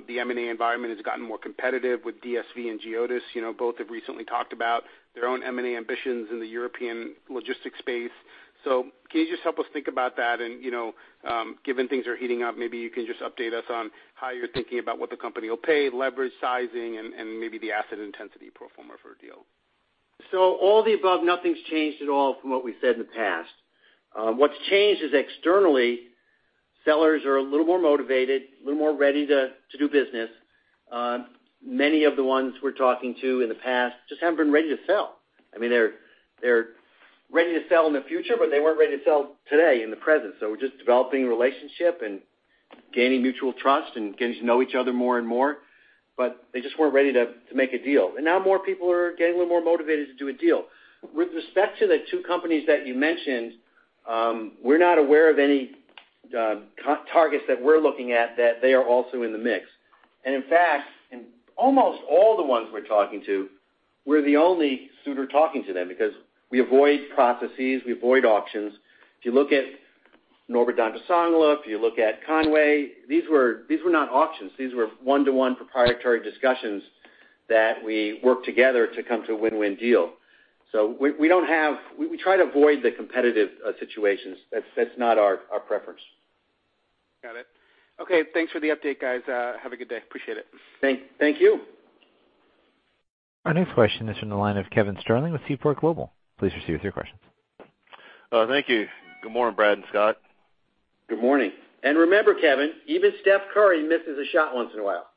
The M&A environment has gotten more competitive with DSV and Geodis. Both have recently talked about their own M&A ambitions in the European logistics space. Can you just help us think about that? Given things are heating up, maybe you can just update us on how you are thinking about what the company will pay, leverage sizing, and maybe the asset intensity pro forma for a deal. All the above, nothing's changed at all from what we've said in the past. What's changed is externally, sellers are a little more motivated, a little more ready to do business. Many of the ones we're talking to in the past just haven't been ready to sell. They're ready to sell in the future, but they weren't ready to sell today in the present. We're just developing a relationship and gaining mutual trust and getting to know each other more and more. They just weren't ready to make a deal. Now more people are getting a little more motivated to do a deal. With respect to the two companies that you mentioned, we're not aware of any targets that we're looking at that they are also in the mix. In fact, in almost all the ones we're talking to, we're the only suitor talking to them because we avoid processes, we avoid auctions. If you look at Norbert Dentressangle, if you look at Con-way, these were not auctions. These were one-to-one proprietary discussions that we worked together to come to a win-win deal. We try to avoid the competitive situations. That's not our preference. Got it. Okay. Thanks for the update, guys. Have a good day. Appreciate it. Thank you. Our next question is from the line of Kevin Sterling with Seaport Global. Please proceed with your questions. Thank you. Good morning, Brad and Scott. Good morning. Remember, Kevin, even Stephen Curry misses a shot once in a while.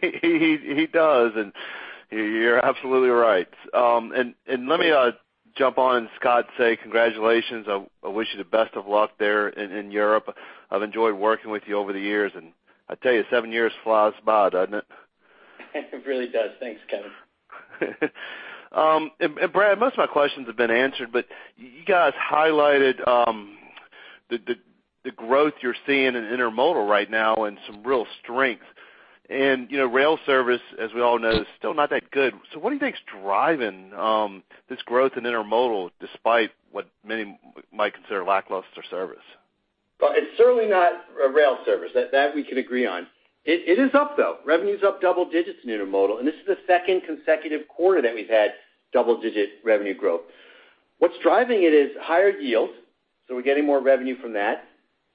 He does, and you're absolutely right. Let me jump on, Scott, say congratulations. I wish you the best of luck there in Europe. I've enjoyed working with you over the years, and I tell you, seven years flies by, doesn't it? It really does. Thanks, Kevin. Brad, most of my questions have been answered, but you guys highlighted the growth you're seeing in intermodal right now and some real strength. Rail service, as we all know, is still not that good. What do you think is driving this growth in intermodal despite what many might consider lackluster service? It's certainly not a rail service. That we can agree on. It is up, though. Revenue's up double digits in intermodal, and this is the second consecutive quarter that we've had double-digit revenue growth. What's driving it is higher yields, so we're getting more revenue from that,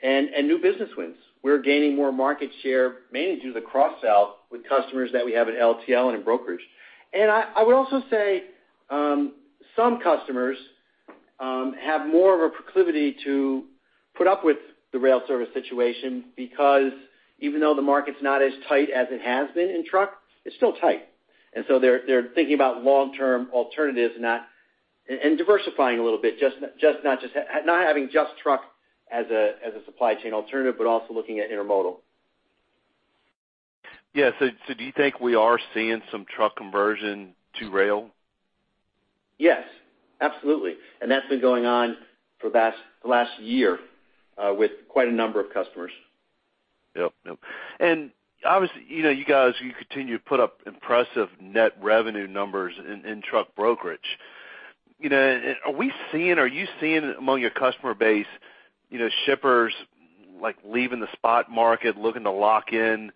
and new business wins. We're gaining more market share, mainly due to the cross-sell with customers that we have at LTL and in brokerage. I would also say some customers have more of a proclivity to put up with the rail service situation because even though the market's not as tight as it has been in truck, it's still tight. They're thinking about long-term alternatives and diversifying a little bit, not having just truck as a supply chain alternative, but also looking at intermodal. Yeah. Do you think we are seeing some truck conversion to rail? Yes, absolutely. That's been going on for the last year with quite a number of customers. Yep. Obviously, you guys, you continue to put up impressive net revenue numbers in truck brokerage. Are you seeing among your customer base shippers leaving the spot market, looking to lock in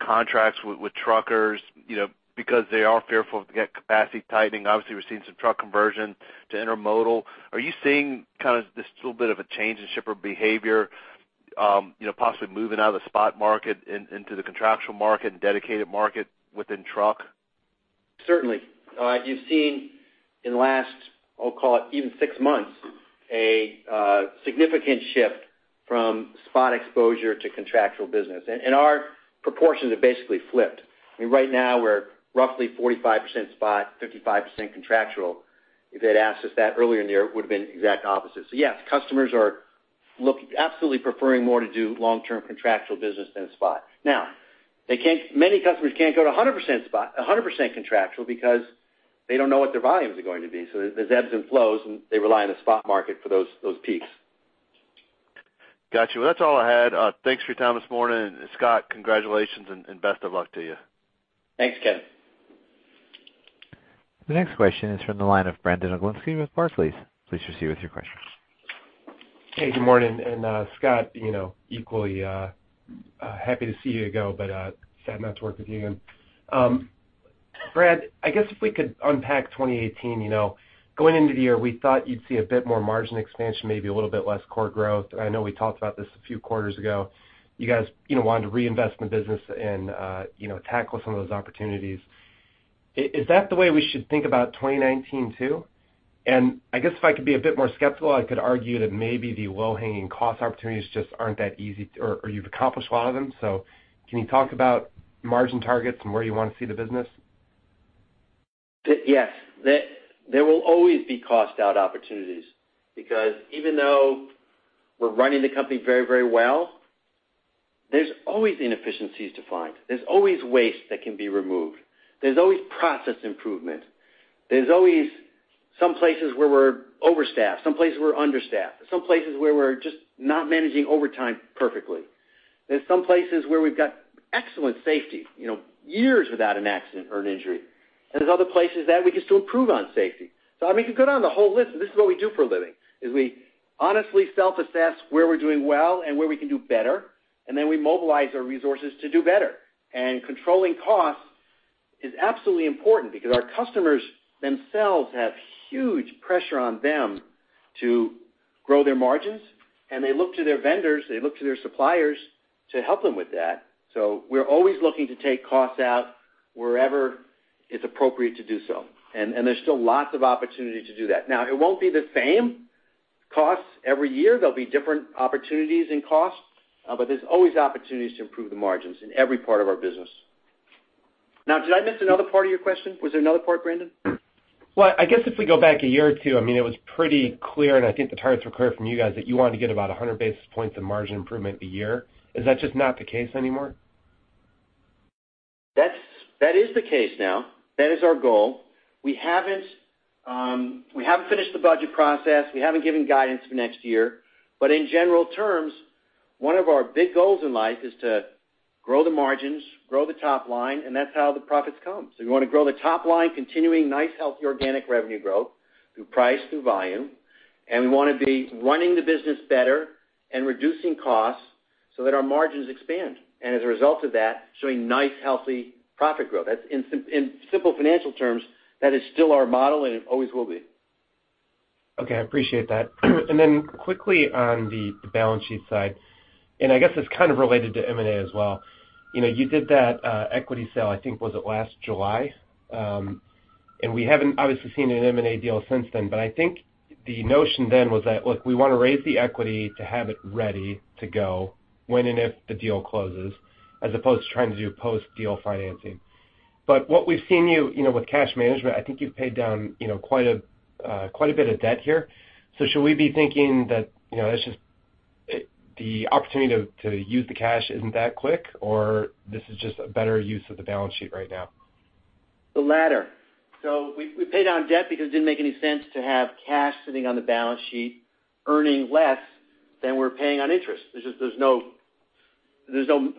contracts with truckers because they are fearful of the capacity tightening? Obviously, we're seeing some truck conversion to intermodal. Are you seeing this little bit of a change in shipper behavior, possibly moving out of the spot market into the contractual market and dedicated market within truck? Certainly. You've seen in the last, I'll call it even six months, a significant shift from spot exposure to contractual business. Our proportions have basically flipped. Right now, we're roughly 45% spot, 55% contractual. If they had asked us that earlier in the year, it would've been the exact opposite. Yes, customers are absolutely preferring more to do long-term contractual business than spot. Now, many customers can't go to 100% contractual because they don't know what their volumes are going to be. There's ebbs and flows, and they rely on the spot market for those peaks. Got you. Well, that's all I had. Thanks for your time this morning. Scott, congratulations and best of luck to you. Thanks, Kevin. The next question is from the line of Brandon Oglenski with Barclays. Please proceed with your questions. Hey, good morning. Scott, equally happy to see you go, but sad not to work with you again. Brad, I guess if we could unpack 2018. Going into the year, we thought you'd see a bit more margin expansion, maybe a little bit less core growth. I know we talked about this a few quarters ago. You guys wanted to reinvest in the business and tackle some of those opportunities. Is that the way we should think about 2019 too? I guess if I could be a bit more skeptical, I could argue that maybe the low-hanging cost opportunities just aren't that easy, or you've accomplished a lot of them. Can you talk about margin targets and where you want to see the business? Yes. There will always be cost out opportunities because even though we're running the company very well, there's always inefficiencies to find. There's always waste that can be removed. There's always process improvement. There's always some places where we're overstaffed, some places we're understaffed. There's some places where we're just not managing overtime perfectly. There's some places where we've got excellent safety, years without an accident or an injury. There's other places that we can still improve on safety. We could go down the whole list, but this is what we do for a living, is we honestly self-assess where we're doing well and where we can do better, and then we mobilize our resources to do better. Controlling costs is absolutely important because our customers themselves have huge pressure on them to grow their margins, and they look to their vendors, they look to their suppliers to help them with that. We're always looking to take costs out wherever it's appropriate to do so, and there's still lots of opportunity to do that. It won't be the same costs every year. There'll be different opportunities and costs, but there's always opportunities to improve the margins in every part of our business. Did I miss another part of your question? Was there another part, Brandon? If we go back a year or two, it was pretty clear, and I think the targets were clear from you guys, that you wanted to get about 100 basis points of margin improvement a year. Is that just not the case anymore? That is the case now. That is our goal. We haven't finished the budget process. We haven't given guidance for next year. In general terms, one of our big goals in life is to grow the margins, grow the top line, and that's how the profits come. We want to grow the top line, continuing nice, healthy, organic revenue growth through price, through volume, and we want to be running the business better and reducing costs so that our margins expand. As a result of that, showing nice, healthy profit growth. In simple financial terms, that is still our model, and it always will be. Okay. I appreciate that. Quickly on the balance sheet side, I guess it's kind of related to M&A as well. You did that equity sale, I think, was it last July? We haven't obviously seen an M&A deal since then, but I think the notion then was that, look, we want to raise the equity to have it ready to go when and if the deal closes, as opposed to trying to do post-deal financing. What we've seen you with cash management, I think you've paid down quite a bit of debt here. Should we be thinking that the opportunity to use the cash isn't that quick, or this is just a better use of the balance sheet right now? The latter. We paid down debt because it didn't make any sense to have cash sitting on the balance sheet earning less than we're paying on interest. There's no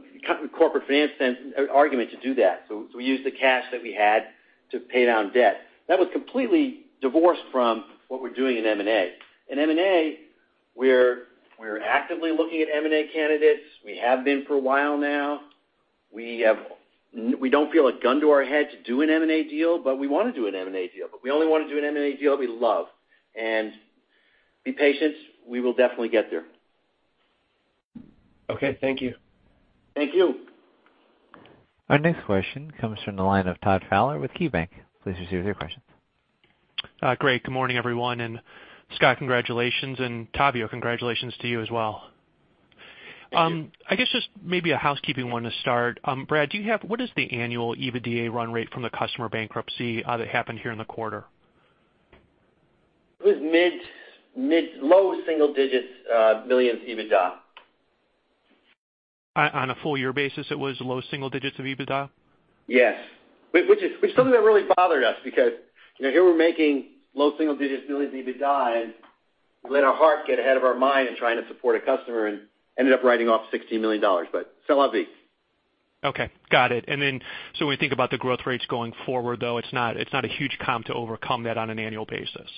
corporate finance sense or argument to do that. We used the cash that we had to pay down debt. That was completely divorced from what we're doing in M&A. In M&A, we're actively looking at M&A candidates. We have been for a while now. We don't feel a gun to our head to do an M&A deal, but we want to do an M&A deal, but we only want to do an M&A deal we love. Be patient. We will definitely get there. Okay. Thank you. Thank you. Our next question comes from the line of Todd Fowler with KeyBanc. Please proceed with your question. Great. Good morning, everyone, and Scott, congratulations, and Tavio, congratulations to you as well. I guess just maybe a housekeeping one to start. Brad, what is the annual EBITDA run rate from the customer bankruptcy that happened here in the quarter? It was low single digits millions EBITDA. On a full year basis, it was low single digits of EBITDA? Yes. Which is something that really bothered us because here we're making low single-digit millions EBITDA, we let our heart get ahead of our mind in trying to support a customer and ended up writing off $16 million. C'est la vie. Okay. Got it. When you think about the growth rates going forward, though, it's not a huge comp to overcome that on an annual basis.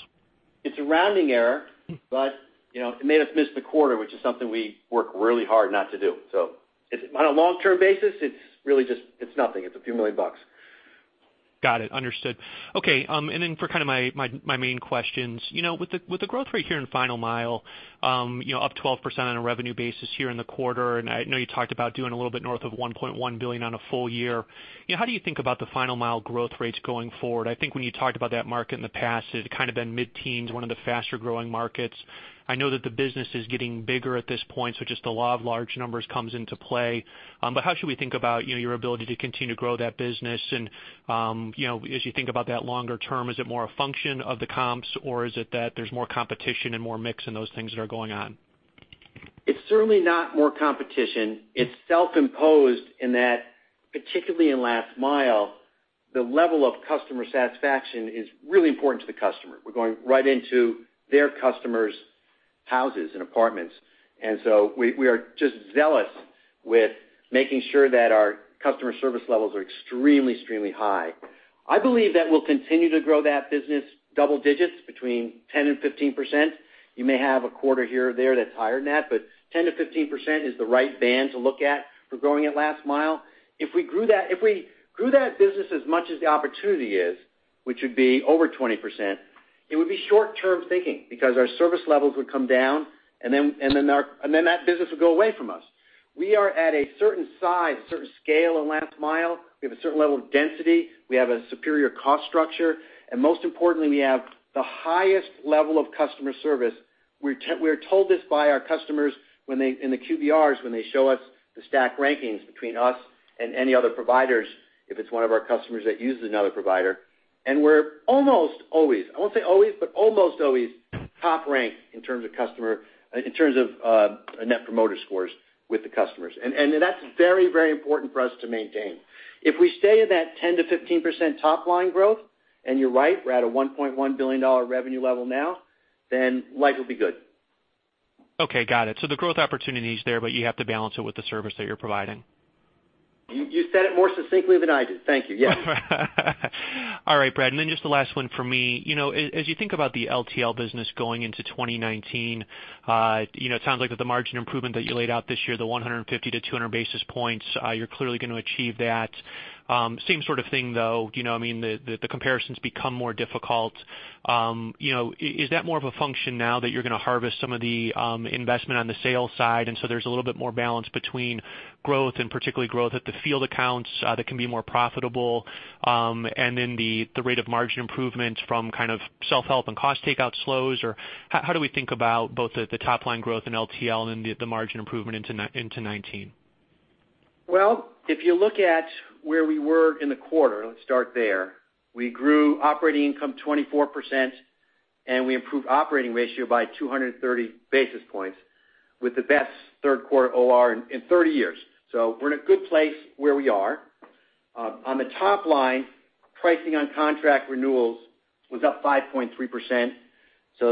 It's a rounding error, it made us miss the quarter, which is something we work really hard not to do. On a long-term basis, it's nothing. It's a few million bucks. Got it. Understood. For my main questions. With the growth rate here in final mile, up 12% on a revenue basis here in the quarter, I know you talked about doing a little bit north of $1.1 billion on a full year. How do you think about the final mile growth rates going forward? I think when you talked about that market in the past, it had kind of been mid-teens, one of the faster-growing markets. I know that the business is getting bigger at this point, so just a lot of large numbers comes into play. How should we think about your ability to continue to grow that business? As you think about that longer term, is it more a function of the comps, or is it that there's more competition and more mix and those things that are going on? It's certainly not more competition. It's self-imposed in that, particularly in last mile, the level of customer satisfaction is really important to the customer. We're going right into their customers' houses and apartments. We are just zealous with making sure that our customer service levels are extremely high. I believe that we'll continue to grow that business double digits between 10% and 15%. You may have a quarter here or there that's higher than that, but 10% to 15% is the right band to look at for growing at last mile. If we grew that business as much as the opportunity is, which would be over 20%, it would be short-term thinking because our service levels would come down, and then that business would go away from us. We are at a certain size, a certain scale in last mile. We have a certain level of density. We have a superior cost structure, and most importantly, we have the highest level of customer service. We're told this by our customers in the QBRs when they show us the stack rankings between us and any other providers, if it's one of our customers that uses another provider, and we're almost always, I won't say always, but almost always top ranked in terms of Net Promoter Score with the customers. That's very, very important for us to maintain. If we stay at that 10% to 15% top-line growth, and you're right, we're at a $1.1 billion revenue level now, life will be good. Okay, got it. The growth opportunity is there, you have to balance it with the service that you're providing. You said it more succinctly than I did. Thank you. Yes. All right, Brad, just the last one from me. As you think about the LTL business going into 2019, it sounds like with the margin improvement that you laid out this year, the 150-200 basis points, you're clearly going to achieve that. Same sort of thing, though. The comparisons become more difficult. Is that more of a function now that you're going to harvest some of the investment on the sales side, there's a little bit more balance between growth and particularly growth at the field accounts that can be more profitable? The rate of margin improvement from kind of self-help and cost takeout slows, or how do we think about both the top-line growth in LTL and the margin improvement into 2019? If you look at where we were in the quarter, let's start there. We grew operating income 24%. We improved operating ratio by 230 basis points with the best third-quarter OR in 30 years. We're in a good place where we are. On the top line, pricing on contract renewals was up 5.3%,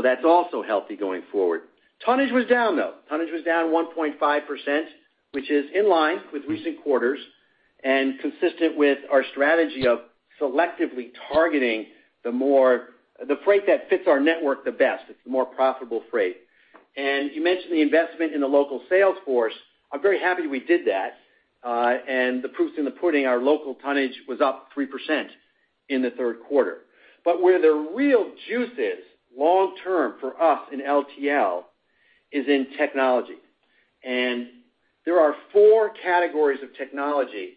that's also healthy going forward. Tonnage was down, though. Tonnage was down 1.5%, which is in line with recent quarters and consistent with our strategy of selectively targeting the freight that fits our network the best. It's the more profitable freight. You mentioned the investment in the local sales force. I'm very happy we did that. The proof's in the pudding. Our local tonnage was up 3% in the third quarter. Where the real juice is long-term for us in LTL is in technology. There are 4 categories of technology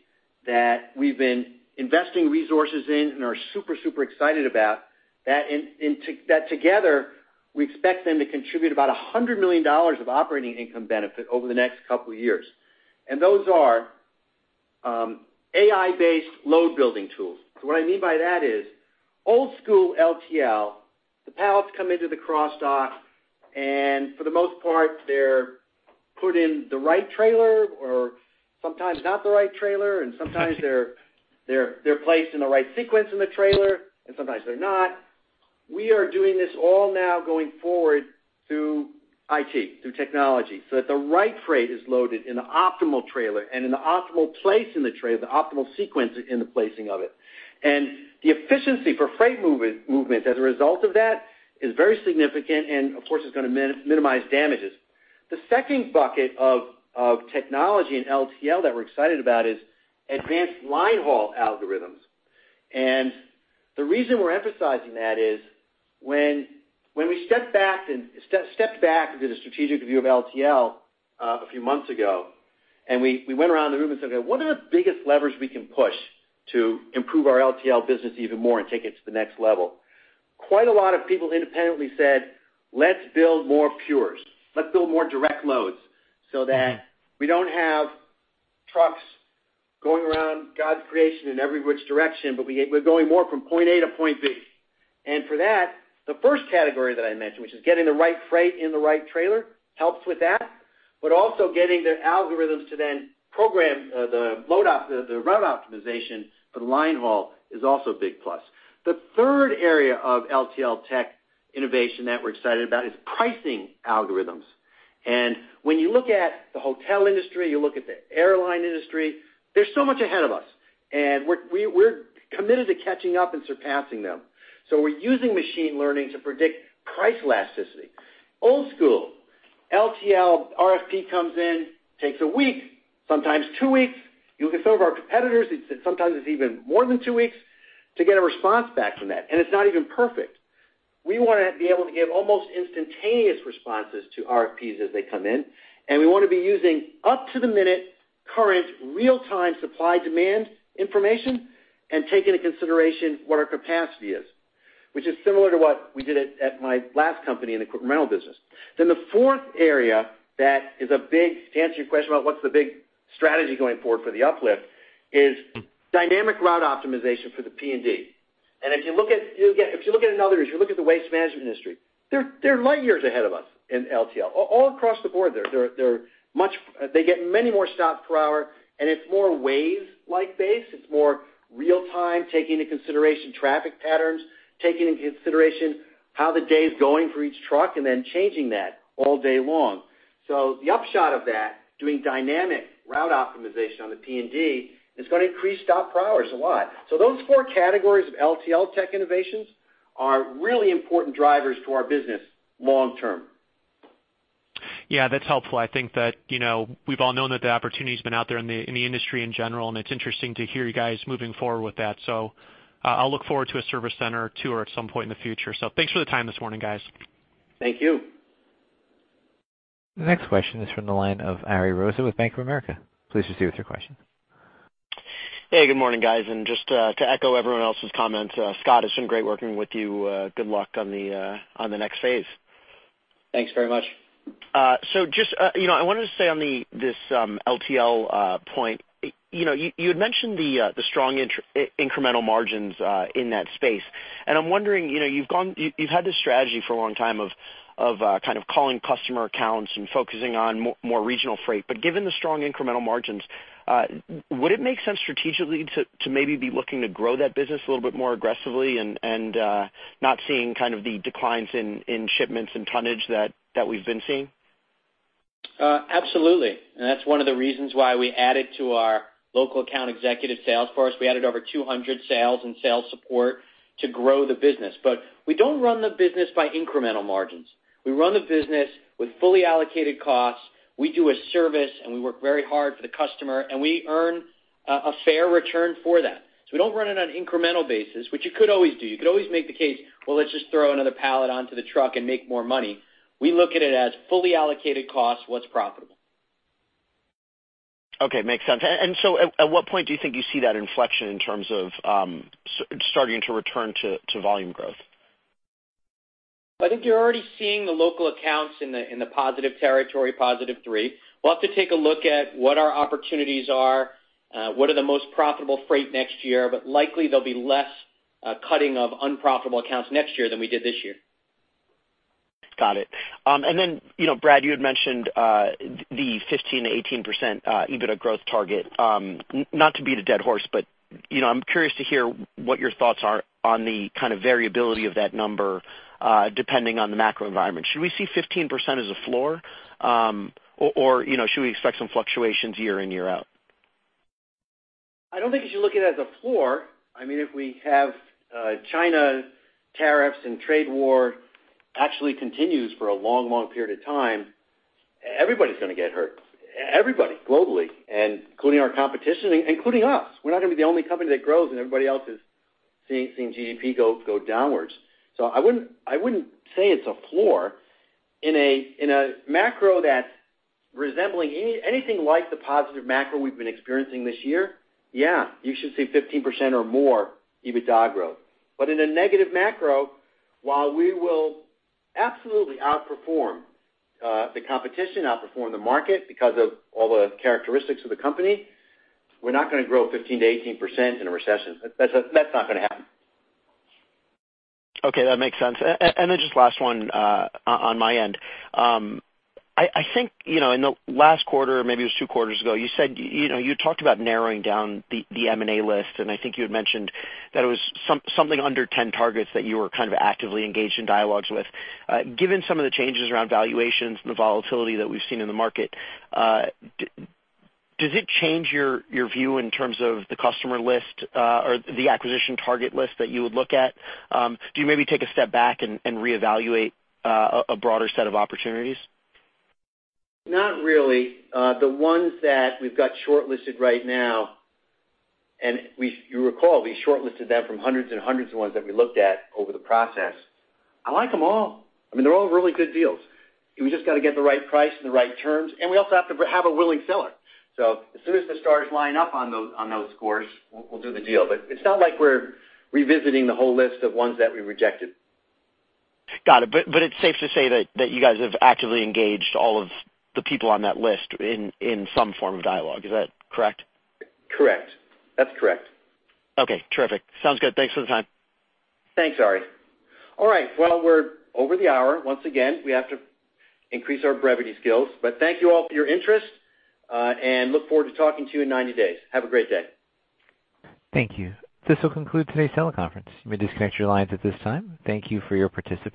that we've been investing resources in and are super excited about, that together, we expect them to contribute about $100 million of operating income benefit over the next couple of years. Those are AI-based load building tools. What I mean by that is old school LTL, the pallets come into the cross dock, for the most part, they're put in the right trailer, or sometimes not the right trailer, sometimes they're placed in the right sequence in the trailer, sometimes they're not. We are doing this all now going forward through IT, through technology, that the right freight is loaded in the optimal trailer and in the optimal place in the trailer, the optimal sequence in the placing of it. The efficiency for freight movement as a result of that is very significant and, of course, is going to minimize damages. The second bucket of technology in LTL that we're excited about is advanced line haul algorithms. The reason we're emphasizing that is when we stepped back and did a strategic review of LTL a few months ago, we went around the room and said, "Okay, what are the biggest levers we can push to improve our LTL business even more and take it to the next level?" Quite a lot of people independently said, "Let's build more pure. Let's build more direct loads so that we don't have trucks going around God's creation in every which direction, but we're going more from point A to point B. For that, the first category that I mentioned, which is getting the right freight in the right trailer, helps with that. Also getting the algorithms to then program the route optimization for the line haul is also a big plus. The third area of LTL tech innovation that we're excited about is pricing algorithms. When you look at the hotel industry, you look at the airline industry, they're so much ahead of us, and we're committed to catching up and surpassing them. We're using machine learning to predict price elasticity. Old school LTL RFP comes in, takes a week, sometimes two weeks. You look at some of our competitors, sometimes it's even more than two weeks to get a response back from that, and it's not even perfect. We want to be able to give almost instantaneous responses to RFPs as they come in, and we want to be using up-to-the-minute, current, real-time supply demand information and take into consideration what our capacity is, which is similar to what we did at my last company in the rental business. The fourth area that is a big, to answer your question about what's the big strategy going forward for the uplift, is dynamic route optimization for the P&D. If you look at another industry, if you look at the waste management industry, they're light years ahead of us in LTL. All across the board there. They get many more stops per hour, and it's more Waze-like base. It's more real-time, take into consideration traffic patterns, take into consideration how the day is going for each truck, and then changing that all day long. The upshot of that, doing dynamic route optimization on the P&D is going to increase stop per hours a lot. Those four categories of LTL tech innovations are really important drivers to our business long term. Yeah, that's helpful. I think that we've all known that the opportunity's been out there in the industry in general, and it's interesting to hear you guys moving forward with that. I'll look forward to a service center tour at some point in the future. Thanks for the time this morning, guys. Thank you. The next question is from the line of Ariel Rosa with Bank of America. Please proceed with your question. Hey, good morning, guys. Just to echo everyone else's comments, Scott, it's been great working with you. Good luck on the next phase. Thanks very much. I wanted to say on this LTL point, you had mentioned the strong incremental margins in that space. I'm wondering, you've had this strategy for a long time of kind of calling customer accounts and focusing on more regional freight. Given the strong incremental margins, would it make sense strategically to maybe be looking to grow that business a little bit more aggressively and not seeing kind of the declines in shipments and tonnage that we've been seeing? Absolutely. That's one of the reasons why we added to our local account executive sales force. We added over 200 sales and sales support to grow the business. We don't run the business by incremental margins. We run the business with fully allocated costs. We do a service, and we work very hard for the customer, and we earn a fair return for that. We don't run it on an incremental basis, which you could always do. You could always make the case, well, let's just throw another pallet onto the truck and make more money. We look at it as fully allocated cost, what's profitable. Okay. Makes sense. At what point do you think you see that inflection in terms of starting to return to volume growth? I think you're already seeing the local accounts in the positive territory, positive three. We'll have to take a look at what our opportunities are, what are the most profitable freight next year, likely there'll be less cutting of unprofitable accounts next year than we did this year. Got it. Brad, you had mentioned the 15%-18% EBITDA growth target. Not to beat a dead horse, but I'm curious to hear what your thoughts are on the kind of variability of that number depending on the macro environment. Should we see 15% as a floor, or should we expect some fluctuations year in, year out? I don't think you should look at it as a floor. If we have China tariffs and trade war actually continues for a long period of time, everybody's going to get hurt. Everybody, globally, including our competition, including us. We're not going to be the only company that grows and everybody else is seeing GDP go downwards. I wouldn't say it's a floor. In a macro that's resembling anything like the positive macro we've been experiencing this year, yeah, you should see 15% or more EBITDA growth. In a negative macro, while we will absolutely outperform the competition, outperform the market, because of all the characteristics of the company, we're not going to grow 15%-18% in a recession. That's not going to happen. Okay. That makes sense. Just last one on my end. I think in the last quarter, maybe it was two quarters ago, you talked about narrowing down the M&A list, and I think you had mentioned that it was something under 10 targets that you were kind of actively engaged in dialogues with. Given some of the changes around valuations and the volatility that we've seen in the market, does it change your view in terms of the customer list or the acquisition target list that you would look at? Do you maybe take a step back and reevaluate a broader set of opportunities? Not really. The ones that we've got shortlisted right now, and if you recall, we shortlisted them from hundreds and hundreds of ones that we looked at over the process. I like them all. They're all really good deals. We just got to get the right price and the right terms, and we also have to have a willing seller. As soon as the stars line up on those scores, we'll do the deal. It's not like we're revisiting the whole list of ones that we rejected. Got it. It's safe to say that you guys have actively engaged all of the people on that list in some form of dialogue. Is that correct? Correct. That's correct. Okay. Terrific. Sounds good. Thanks for the time. Thanks, Ari. All right. We're over the hour once again. We have to increase our brevity skills, but thank you all for your interest, and look forward to talking to you in 90 days. Have a great day. Thank you. This will conclude today's teleconference. You may disconnect your lines at this time. Thank you for your participation.